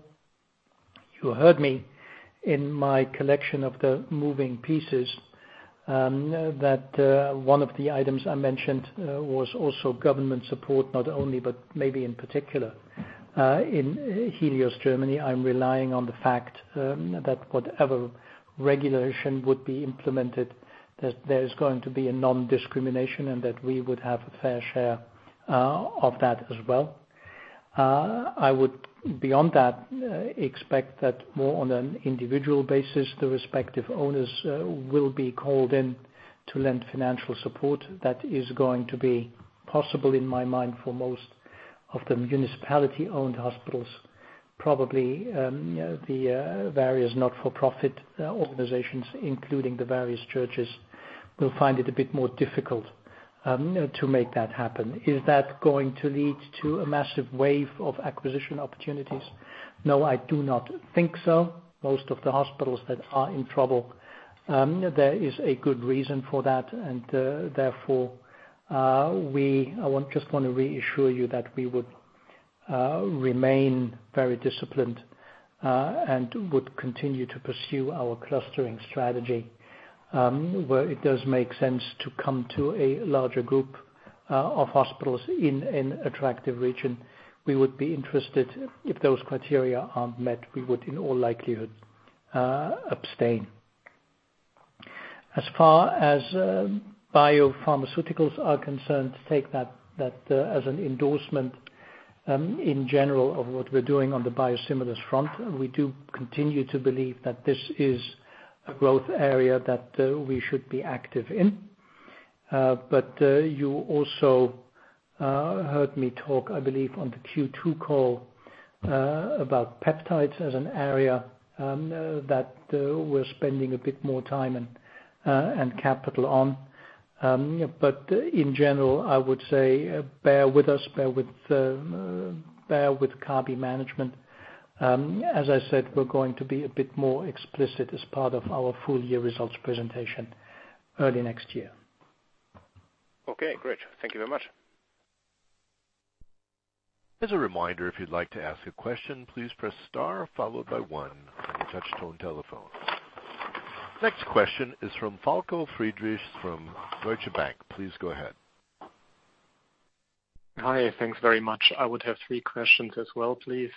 S2: You heard me in my collection of the moving pieces that one of the items I mentioned was also government support, not only, but maybe in particular in Helios Germany. I'm relying on the fact that whatever regulation would be implemented, that there's going to be a non-discrimination and that we would have a fair share of that as well. I would, beyond that, expect that more on an individual basis, the respective owners, will be called in to lend financial support. That is going to be possible in my mind for most Of the municipality-owned hospitals, probably, the various not-for-profit organizations, including the various churches, will find it a bit more difficult to make that happen. Is that going to lead to a massive wave of acquisition opportunities? No, I do not think so. Most of the hospitals that are in trouble, there is a good reason for that. Therefore, I want just wanna reassure you that we would remain very disciplined and would continue to pursue our clustering strategy, where it does make sense to come to a larger group of hospitals in an attractive region. We would be interested. If those criteria aren't met, we would, in all likelihood, abstain. As far as biopharmaceuticals are concerned, take that as an endorsement in general of what we're doing on the biosimilars front. We do continue to believe that this is a growth area that we should be active in. You also heard me talk, I believe, on the Q2 call about peptides as an area that we're spending a bit more time and capital on. In general, I would say bear with us, bear with Kabi management. As I said, we're going to be a bit more explicit as part of our full-year results presentation early next year.
S10: Okay, great. Thank you very much.
S4: As a reminder, if you'd like to ask a question, please press star followed by one on your touch-tone telephone. Next question is from Falko Friedrichs from Deutsche Bank. Please go ahead.
S11: Hi. Thanks very much. I would have three questions as well, please.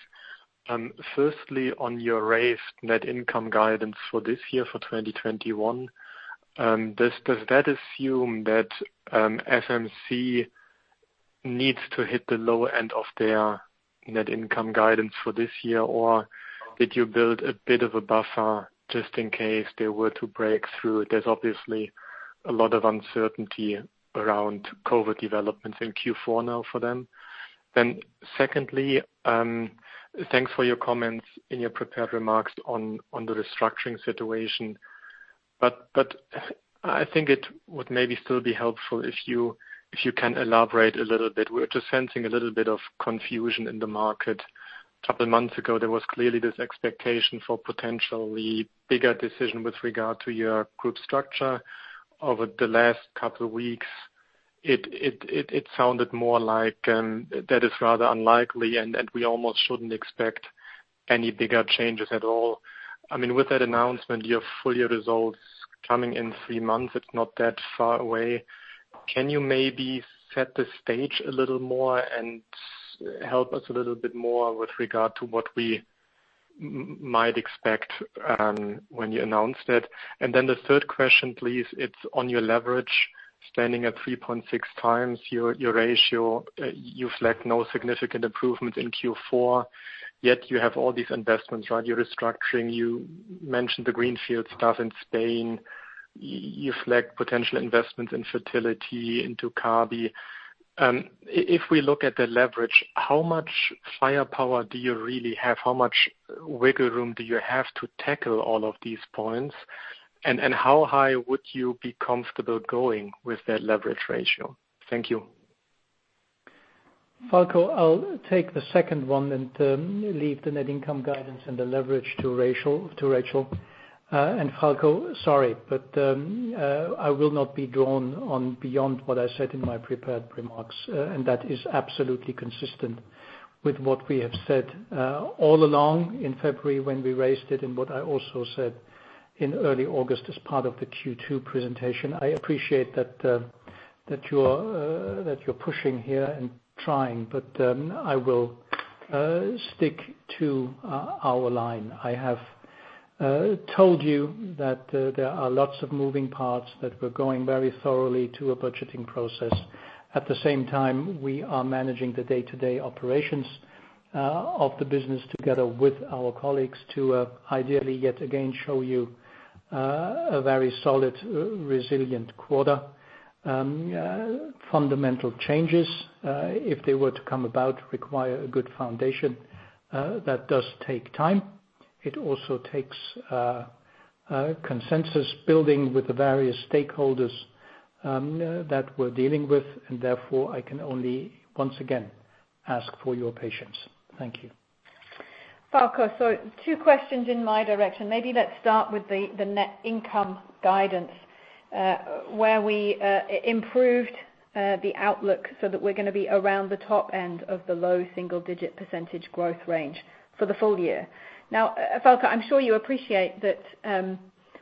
S11: Firstly, on your raised net income guidance for this year, for 2021, does that assume that FMC needs to hit the lower end of their net income guidance for this year? Or did you build a bit of a buffer just in case they were to break through? There's obviously a lot of uncertainty around COVID developments in Q4 now for them. Secondly, thanks for your comments in your prepared remarks on the restructuring situation. But I think it would maybe still be helpful if you can elaborate a little bit. We're just sensing a little bit of confusion in the market. Couple months ago, there was clearly this expectation for potentially bigger decision with regard to your group structure. Over the last couple weeks, it sounded more like that is rather unlikely and we almost shouldn't expect any bigger changes at all. I mean, with that announcement, your full year results coming in 3 months, it's not that far away. Can you maybe set the stage a little more and help us a little bit more with regard to what we might expect when you announced it? Then the third question, please. It's on your leverage standing at 3.6x your ratio. You have no significant improvements in Q4, yet you have all these investments, right? You're restructuring. You mentioned the greenfield stuff in Spain. You've looked at potential investments in fertility into Kabi. If we look at the leverage, how much firepower do you really have? How much wiggle room do you have to tackle all of these points? How high would you be comfortable going with that leverage ratio? Thank you.
S2: Falko, I'll take the second one and leave the net income guidance and the leverage to Rachel. Falko, sorry, but I will not be drawn on beyond what I said in my prepared remarks. That is absolutely consistent with what we have said all along in February when we raised it and what I also said in early August as part of the Q2 presentation. I appreciate that you're pushing here and trying, but I will stick to our line. I have told you that there are lots of moving parts, that we're going very thoroughly to a budgeting process. At the same time, we are managing the day-to-day operations of the business together with our colleagues to ideally, yet again, show you a very solid, resilient quarter. Fundamental changes, if they were to come about, require a good foundation. That does take time. It also takes consensus building with the various stakeholders that we're dealing with. Therefore, I can only, once again, ask for your patience. Thank you.
S3: Falko, two questions in my direction. Maybe let's start with the net income guidance, where we improved the outlook so that we're gonna be around the top end of the low single-digit % growth range for the full year. Now, Falko, I'm sure you appreciate that,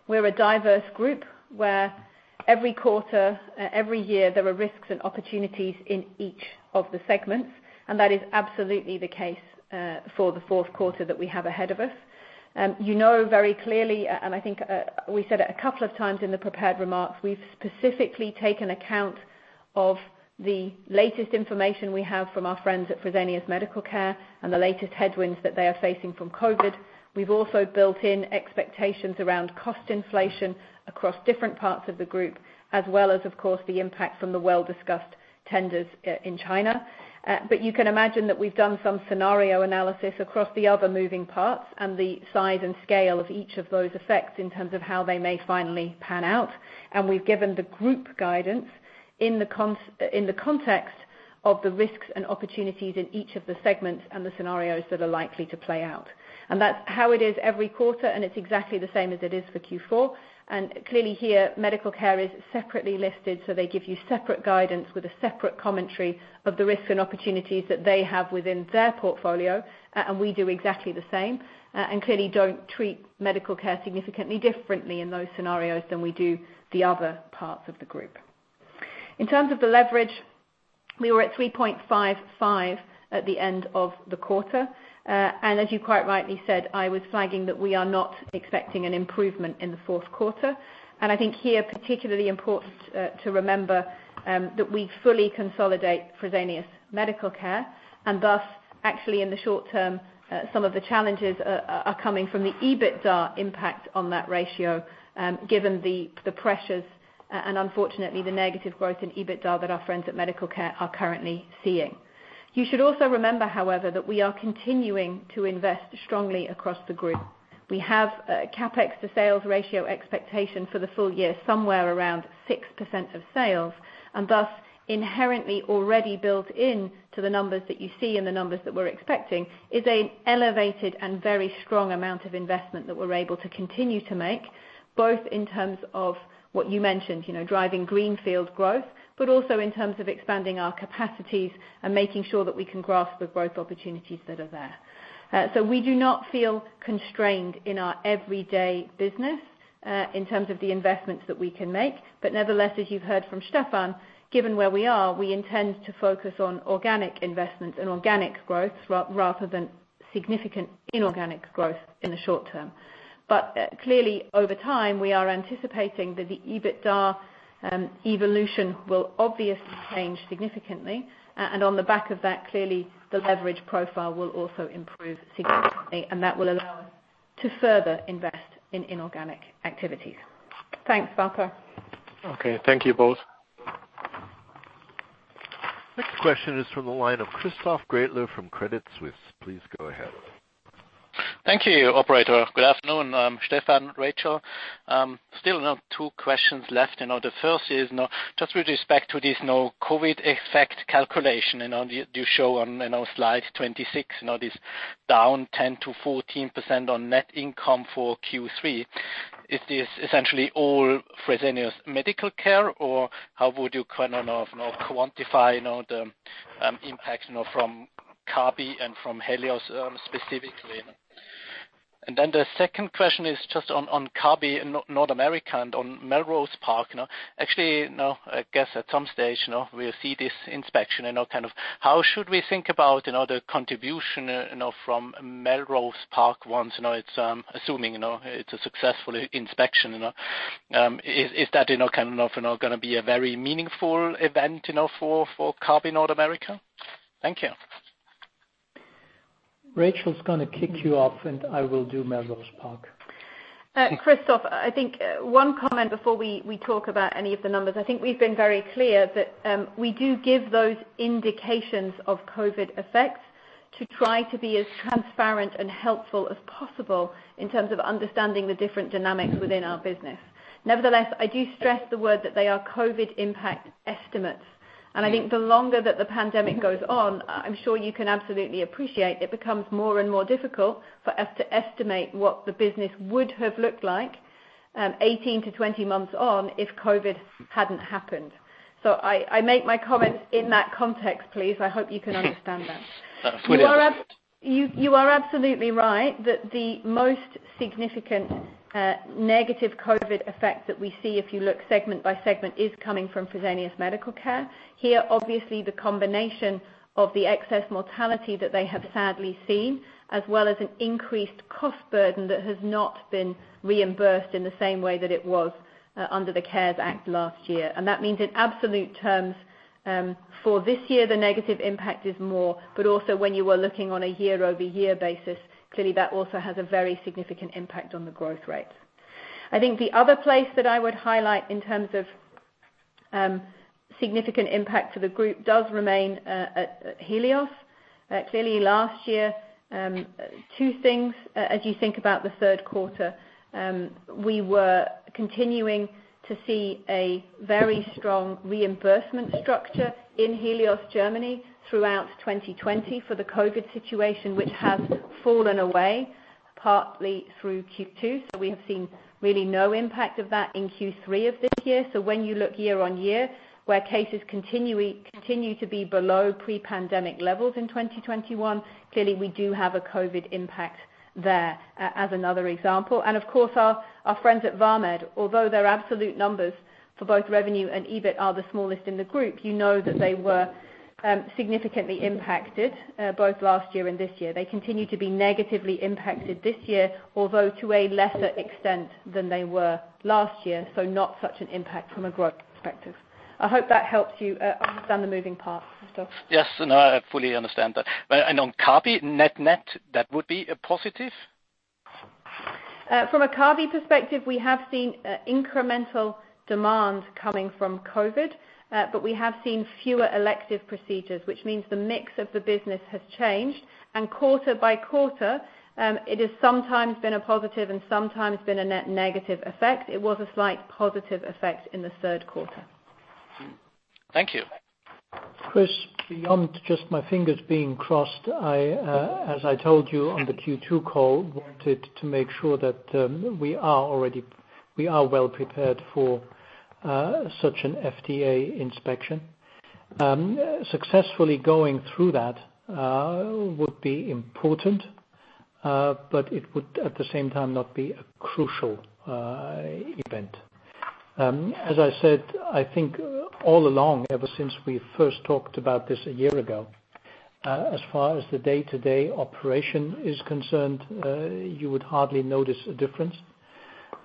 S3: we're a diverse group where every quarter, every year, there are risks and opportunities in each of the segments, and that is absolutely the case for the fourth quarter that we have ahead of us. You know, very clearly, and I think, we said it a couple of times in the prepared remarks, we've specifically taken account of the latest information we have from our friends at Fresenius Medical Care and the latest headwinds that they are facing from COVID. We've also built in expectations around cost inflation across different parts of the group, as well as, of course, the impact from the well-discussed tenders in China. You can imagine that we've done some scenario analysis across the other moving parts and the size and scale of each of those effects in terms of how they may finally pan out. We've given the group guidance in the context of the risks and opportunities in each of the segments and the scenarios that are likely to play out. That's how it is every quarter, and it's exactly the same as it is for Q4. Clearly here, Medical Care is separately listed, so they give you separate guidance with a separate commentary of the risks and opportunities that they have within their portfolio. We do exactly the same, and clearly don't treat Fresenius Medical Care significantly differently in those scenarios than we do the other parts of the group. In terms of the leverage, we were at 3.55 at the end of the quarter. As you quite rightly said, I was flagging that we are not expecting an improvement in the fourth quarter. I think it is here particularly important to remember that we fully consolidate Fresenius Medical Care, and thus, actually in the short term, some of the challenges are coming from the EBITDA impact on that ratio, given the pressures and unfortunately, the negative growth in EBITDA that our friends at Fresenius Medical Care are currently seeing. You should also remember, however, that we are continuing to invest strongly across the group. We have a CapEx to sales ratio expectation for the full year, somewhere around 6% of sales. Thus, inherently already built in to the numbers that you see and the numbers that we're expecting, is an elevated and very strong amount of investment that we're able to continue to make, both in terms of what you mentioned, you know, driving greenfield growth, but also in terms of expanding our capacities and making sure that we can grasp the growth opportunities that are there. We do not feel constrained in our everyday business, in terms of the investments that we can make. Nevertheless, as you've heard fromStephan, given where we are, we intend to focus on organic investments and organic growth rather than significant inorganic growth in the short term. Clearly over time, we are anticipating that the EBITDA evolution will obviously change significantly. On the back of that, clearly, the leverage profile will also improve significantly, and that will allow us to further invest in inorganic activities. Thanks, Falko.
S11: Okay, thank you both.
S4: Next question is from the line of Christoph Gretler from Credit Suisse. Please go ahead.
S12: Thank you, operator. Good afternoon, Stephan, Rachel. Still, now two questions left. You know, the first is now just with respect to this now COVID effect calculation, you know, you show on, you know, slide 26. You know, this down 10%-14% on net income for Q3. Is this essentially all Fresenius Medical Care, or how would you kind of, you know, quantify, you know, the impact, you know, from Kabi and from Helios specifically? And then the second question is just on Kabi in North America and on Melrose Park, you know. Actually, you know, I guess at some stage, you know, we'll see this inspection, you know, kind of how should we think about, you know, the contribution from Melrose Park once, you know, it's assuming, you know, it's a successful inspection, you know? Is that, you know, kind of, you know, gonna be a very meaningful event, you know, for Kabi North America? Thank you.
S2: Rachel's gonna kick you off, and I will do Melrose Park.
S3: Christoph, I think one comment before we talk about any of the numbers. I think we've been very clear that we do give those indications of COVID effects to try to be as transparent and helpful as possible in terms of understanding the different dynamics within our business. Nevertheless, I do stress the word that they are COVID impact estimates. I think the longer that the pandemic goes on, I'm sure you can absolutely appreciate it becomes more and more difficult for us to estimate what the business would have looked like 18-20 months on if COVID hadn't happened. I make my comments in that context, please. I hope you can understand that.
S12: That's clear.
S3: You are absolutely right that the most significant negative COVID effect that we see if you look segment by segment is coming from Fresenius Medical Care. Here, obviously, the combination of the excess mortality that they have sadly seen, as well as an increased cost burden that has not been reimbursed in the same way that it was under the CARES Act last year. That means in absolute terms, for this year, the negative impact is more, but also when you are looking on a year-over-year basis, clearly, that also has a very significant impact on the growth rates. I think the other place that I would highlight in terms of significant impact to the group does remain at Helios. Clearly last year, two things, as you think about the third quarter, we were continuing to see a very strong reimbursement structure in Helios Germany throughout 2020 for the COVID situation which has fallen away partly through Q2. We have seen really no impact of that in Q3 of this year. When you look year-on-year, where cases continue to be below pre-pandemic levels in 2021, clearly we do have a COVID impact there, as another example. Of course our friends at VAMED, although their absolute numbers for both revenue and EBIT are the smallest in the group, you know that they were significantly impacted both last year and this year. They continue to be negatively impacted this year, although to a lesser extent than they were last year, so not such an impact from a growth perspective. I hope that helps you, understand the moving parts, Christoph.
S12: Yes. No, I fully understand that. On Kabi, net, that would be a positive?
S3: From a Kabi perspective, we have seen incremental demand coming from COVID, but we have seen fewer elective procedures, which means the mix of the business has changed. Quarter by quarter, it has sometimes been a positive and sometimes been a negative effect. It was a slight positive effect in the third quarter.
S12: Thank you.
S2: Christoph, beyond just my fingers being crossed, I, as I told you on the Q2 call, wanted to make sure that we are well prepared for such an FDA inspection. Successfully going through that would be important, but it would, at the same time, not be a crucial event. As I said, I think all along, ever since we first talked about this a year ago, as far as the day-to-day operation is concerned, you would hardly notice a difference.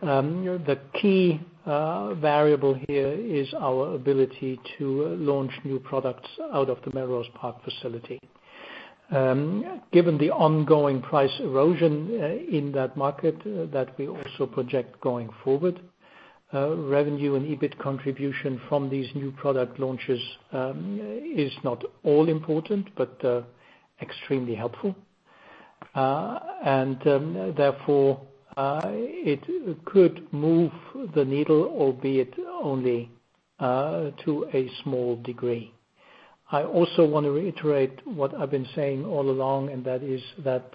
S2: The key variable here is our ability to launch new products out of the Melrose Park facility. Given the ongoing price erosion in that market that we also project going forward, revenue and EBIT contribution from these new product launches is not all important, but extremely helpful. Therefore, it could move the needle, albeit only to a small degree. I also want to reiterate what I've been saying all along, and that is that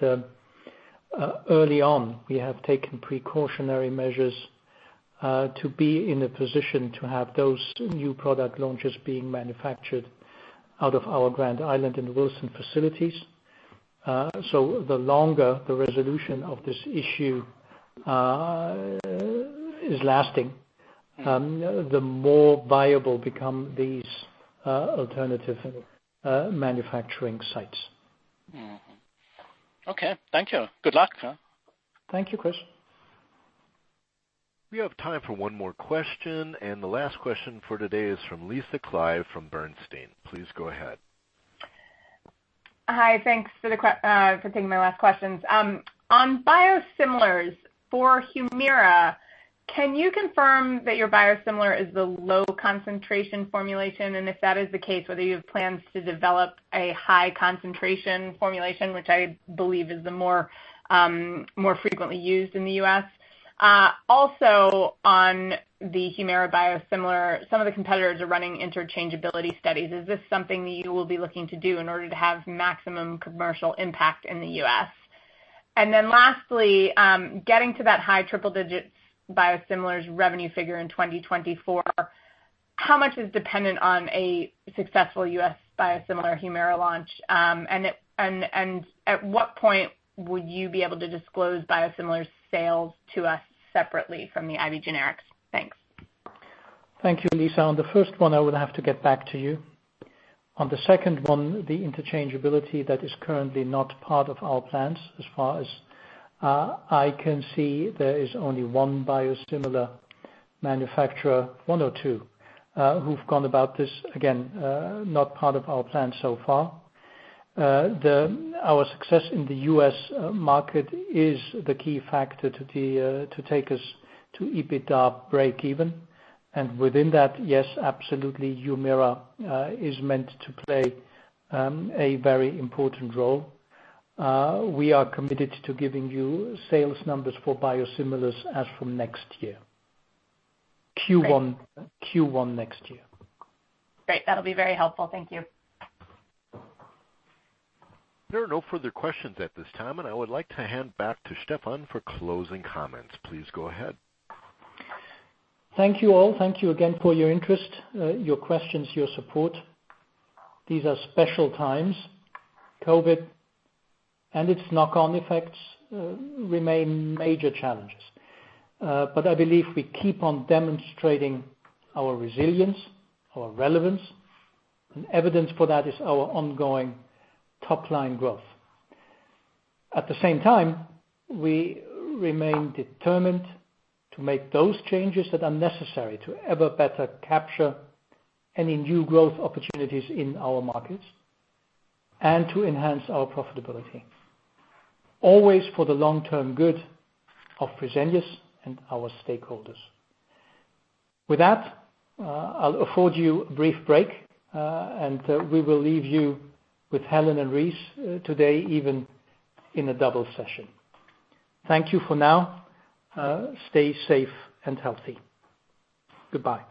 S2: early on, we have taken precautionary measures to be in a position to have those new product launches being manufactured out of our Grand Island and Wilson facilities. The longer the resolution of this issue is lasting, the more viable become these alternative manufacturing sites.
S12: Mm-hmm. Okay. Thank you. Good luck.
S2: Thank you, Chris.
S4: We have time for one more question, and the last question for today is from Lisa Clive from Bernstein. Please go ahead.
S13: Hi. Thanks for taking my last questions. On biosimilars for Humira, can you confirm that your biosimilar is the low concentration formulation? And if that is the case, whether you have plans to develop a high concentration formulation, which I believe is the more frequently used in the U.S.? Also on the Humira biosimilar, some of the competitors are running interchangeability studies. Is this something that you will be looking to do in order to have maximum commercial impact in the U.S.? And then lastly, getting to that high triple digits biosimilars revenue figure in 2024, how much is dependent on a successful U.S. biosimilar Humira launch? And at what point would you be able to disclose biosimilar sales to us separately from the IV generics? Thanks.
S2: Thank you, Lisa. On the first one, I would have to get back to you. On the second one, the interchangeability, that is currently not part of our plans. As far as I can see, there is only one biosimilar manufacturer, one or two who've gone about this. Again, not part of our plan so far. Our success in the U.S. market is the key factor to take us to EBITDA breakeven. Within that, yes, absolutely, Humira is meant to play a very important role. We are committed to giving you sales numbers for biosimilars as from next year. Q1-
S13: Great.
S2: Q1 next year.
S13: Great. That'll be very helpful. Thank you.
S4: There are no further questions at this time, and I would like to hand back to Stephan for closing comments. Please go ahead.
S2: Thank you all. Thank you again for your interest, your questions, your support. These are special times. COVID and its knock-on effects remain major challenges. I believe we keep on demonstrating our resilience, our relevance, and evidence for that is our ongoing top-line growth. At the same time, we remain determined to make those changes that are necessary to ever better capture any new growth opportunities in our markets and to enhance our profitability, always for the long-term good of Fresenius and our stakeholders. With that, I'll offer you a brief break, and we will leave you with Helen and Rice today, even in a double session. Thank you for now. Stay safe and healthy. Goodbye.